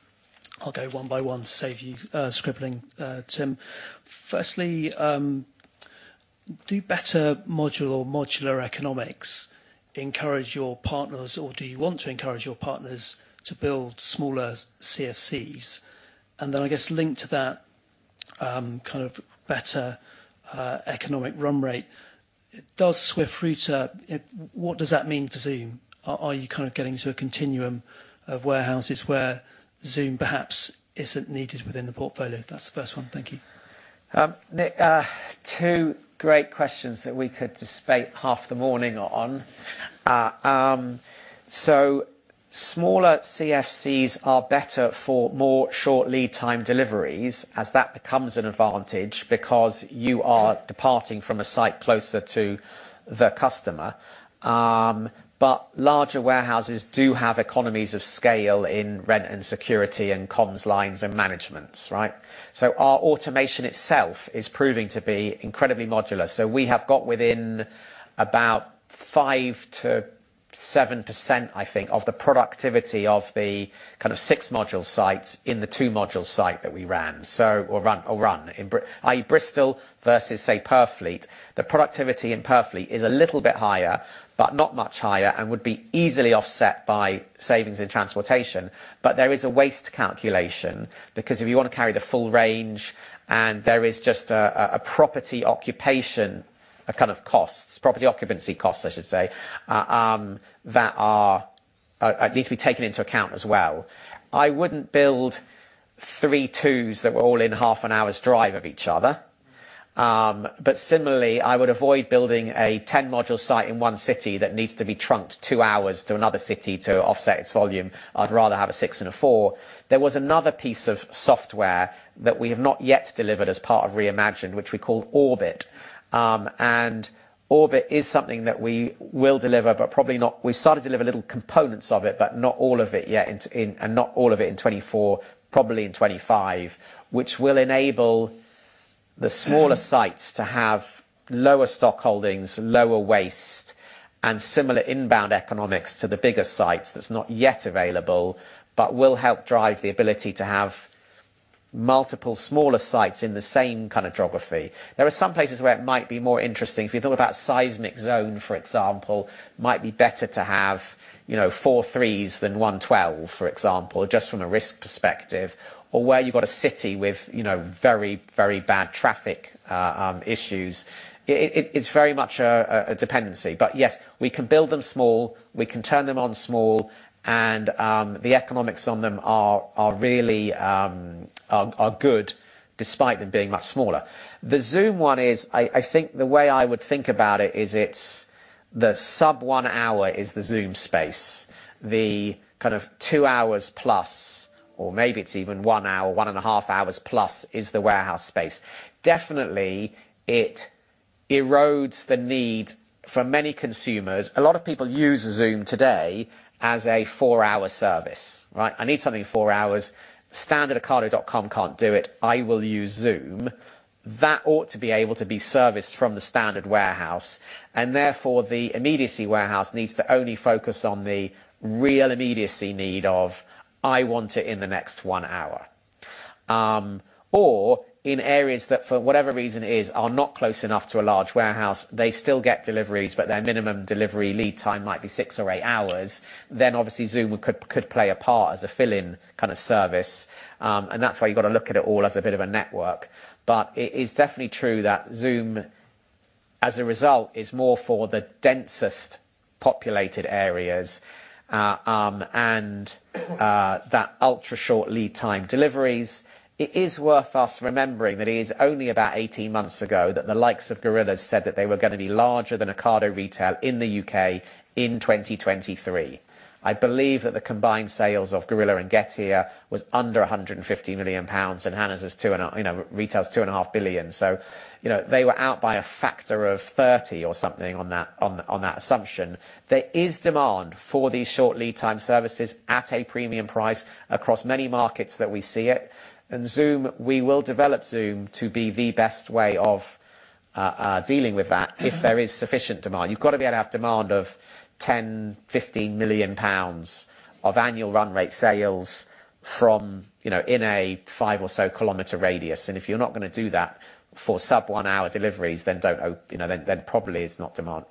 I'll go one by one to save you scribbling, Tim. Firstly, do better module or modular economics encourage your partners, or do you want to encourage your partners to build smaller CFCs? And then, I guess, link to that, kind of better economic run rate. It does Swift Router, you know, what does that mean for Zoom? Are you kind of getting to a continuum of warehouses where Zoom perhaps isn't needed within the portfolio? That's the first one. Thank you. Nick, two great questions that we could dispute half the morning on. So smaller CFCs are better for more short lead-time deliveries as that becomes an advantage because you are departing from a site closer to the customer. But larger warehouses do have economies of scale in rent and security and comms lines and managements, right? So our automation itself is proving to be incredibly modular. So we have got within about 5% to 7%, I think, of the productivity of the kind of six-module sites in the two-module site that we ran in Br., i.e., Bristol versus, say, Purfleet. The productivity in Purfleet is a little bit higher but not much higher and would be easily offset by savings in transportation. But there is a waste calculation because if you want to carry the full range and there is just a property occupancy costs, I should say, that need to be taken into account as well. I wouldn't build three 2s that were all in half-hour's drive of each other. But similarly, I would avoid building a 10-module site in one city that needs to be trunked 2 hours to another city to offset its volume. I'd rather have a six and a four. There was another piece of software that we have not yet delivered as part of Re:Imagined, which we call Orbit. Orbit is something that we will deliver but probably not. We've started to deliver little components of it but not all of it yet, and not all of it in 2024, probably in 2025, which will enable the smaller sites to have lower stock holdings, lower waste, and similar inbound economics to the bigger sites. That's not yet available but will help drive the ability to have multiple smaller sites in the same kind of geography. There are some places where it might be more interesting. If you think about seismic zone, for example, it might be better to have, you know, four 3s than one 12, for example, just from a risk perspective, or where you've got a city with, you know, very, very bad traffic issues. It's very much a dependency. But yes, we can build them small. We can turn them on small. The economics on them are really good despite them being much smaller. The Zoom one is, I think the way I would think about it is it's the sub-one hour is the Zoom space. The kind of two hours-plus or maybe it's even one hour, one and a half hours-plus is the warehouse space. Definitely, it erodes the need for many consumers. A lot of people use Zoom today as a four-hour service, right? I need something four hours. Standard Ocado.com can't do it. I will use Zoom. That ought to be able to be serviced from the standard warehouse. Therefore, the immediacy warehouse needs to only focus on the real immediacy need of, "I want it in the next one hour," or in areas that, for whatever reason it is, are not close enough to a large warehouse, they still get deliveries, but their minimum delivery lead time might be six or eight hours, then obviously, Zoom could play a part as a fill-in kind of service. And that's why you've got to look at it all as a bit of a network. But it is definitely true that Zoom, as a result, is more for the densest populated areas, and that ultra-short lead-time deliveries. It is worth us remembering that it is only about 18 months ago that the likes of Gorillas said that they were going to be larger than Ocado Retail in the U.K. in 2023. I believe that the combined sales of Gorillas and Getir was under 150 million pounds, and Hannah's is two and a you know, retail's 2.5 billion. So, you know, they were out by a factor of 30 or something on that on the on that assumption. There is demand for these short lead-time services at a premium price across many markets that we see it. And Zoom, we will develop Zoom to be the best way of, dealing with that if there is sufficient demand. You've got to be able to have demand of 10, 15 million pounds of annual run-rate sales from, you know, in a 5 or so-kilometer radius. And if you're not going to do that for sub-1-hour deliveries, then don't o you know, then, then probably it's not demand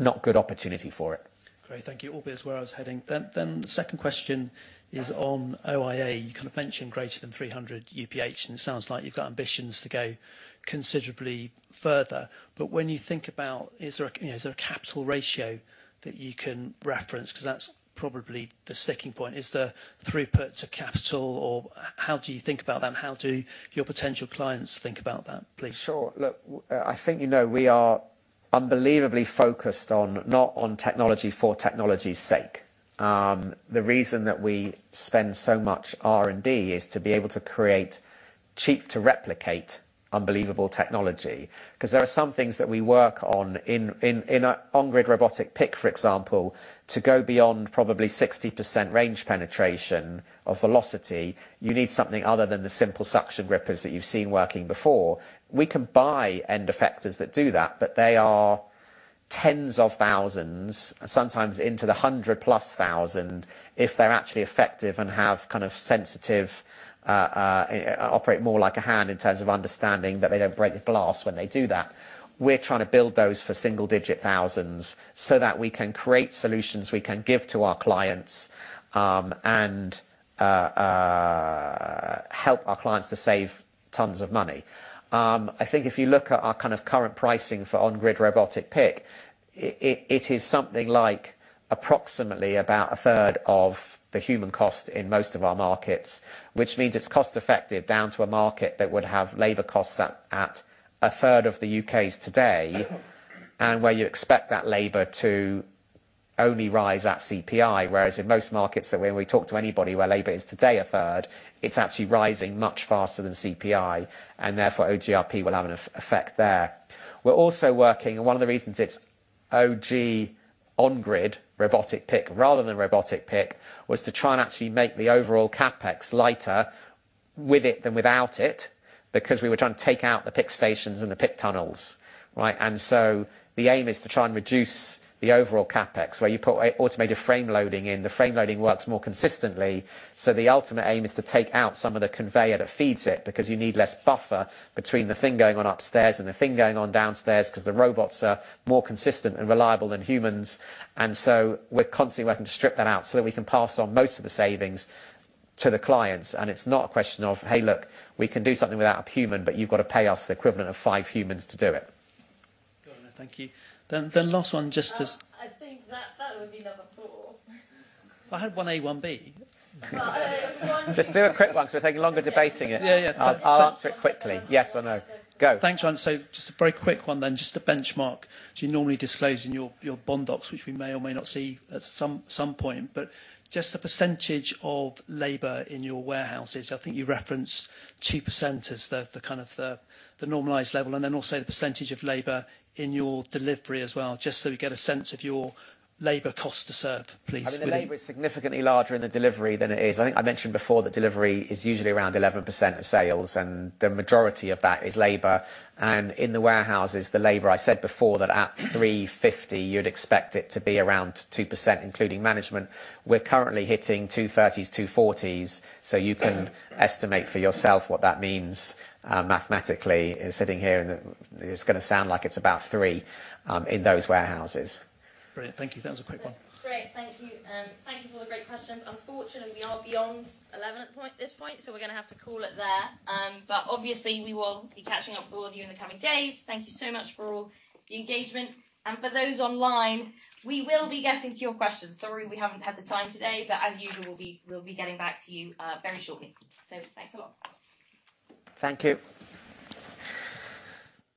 not good opportunity for it. Great. Thank you. Orbit is where I was heading. Then, then the second question is on OIA. You kind of mentioned greater than 300 UPH, and it sounds like you've got ambitions to go considerably further. But when you think about is there a you know, is there a capital ratio that you can reference? Because that's probably the sticking point. Is there throughput to capital, or how do you think about that? And how do your potential clients think about that, please? Sure. Look, I think you know we are unbelievably focused on not on technology for technology's sake. The reason that we spend so much R&D is to be able to create cheap-to-replicate unbelievable technology. Because there are some things that we work on in a On-Grid Robotic Pick, for example, to go beyond probably 60% range penetration of velocity, you need something other than the simple suction grippers that you've seen working before. We can buy end-effectors that do that, but they are tens of thousands GBP, sometimes into the +100,000 if they're actually effective and have kind of sensitive operate more like a hand in terms of understanding that they don't break the glass when they do that. We're trying to build those for single-digit thousands GBP so that we can create solutions we can give to our clients, and help our clients to save tons of money. I think if you look at our kind of current pricing for On-Grid Robotic Pick, it is something like approximately about 1/3 of the human cost in most of our markets, which means it's cost-effective down to a market that would have labor costs at a 1/3 of the U.K.'s today and where you expect that labor to only rise at CPI. Whereas in most markets that we when we talk to anybody where labor is today a 1/3, it's actually rising much faster than CPI. Therefore, OGRP will have an effect there. We're also working, and one of the reasons it's OG On-Grid Robotic Pick rather than robotic pick was to try and actually make the overall CapEx lighter with it than without it because we were trying to take out the pick stations and the pick tunnels, right? So the aim is to try and reduce the overall CapEx where you put automated frame loading in. The frame loading works more consistently. The ultimate aim is to take out some of the conveyor that feeds it because you need less buffer between the thing going on upstairs and the thing going on downstairs because the robots are more consistent and reliable than humans. We're constantly working to strip that out so that we can pass on most of the savings to the clients. It's not a question of, "Hey, look, we can do something without a human, but you've got to pay us the equivalent of five humans to do it." Got it. Thank you. Then last one, just as. I think that would be number four. I had 1A, 1B. Just do a quick one. So we're taking longer debating it. I'll answer it quickly. Yes or no. Go. Thanks, Ron. So just a very quick one then, just to benchmark. So you normally disclose in your bond docs, which we may or may not see at some point, but just the percentage of labor in your warehouses. I think you referenced 2% as the kind of the normalized level. Then also the percentage of labor in your delivery as well, just so we get a sense of your labor cost to serve, please. I mean, the labor is significantly larger in the delivery than it is. I think I mentioned before that delivery is usually around 11% of sales, and the majority of that is labor. In the warehouses, the labor I said before that at 350, you'd expect it to be around 2%, including management. We're currently hitting 230s, 240s. So you can estimate for yourself what that means, mathematically sitting here in the it's going to sound like it's about 3%, in those warehouses. Great. Thank you. That was a quick one. Great. Thank you. Thank you for all the great questions. Unfortunately, we are beyond 11:00 AM at the point this point, so we're going to have to call it there. But obviously, we will be catching up with all of you in the coming days. Thank you so much for all the engagement. And for those online, we will be getting to your questions. Sorry we haven't had the time today, but as usual, we'll be we'll be getting back to you, very shortly. So thanks a lot. Thank you.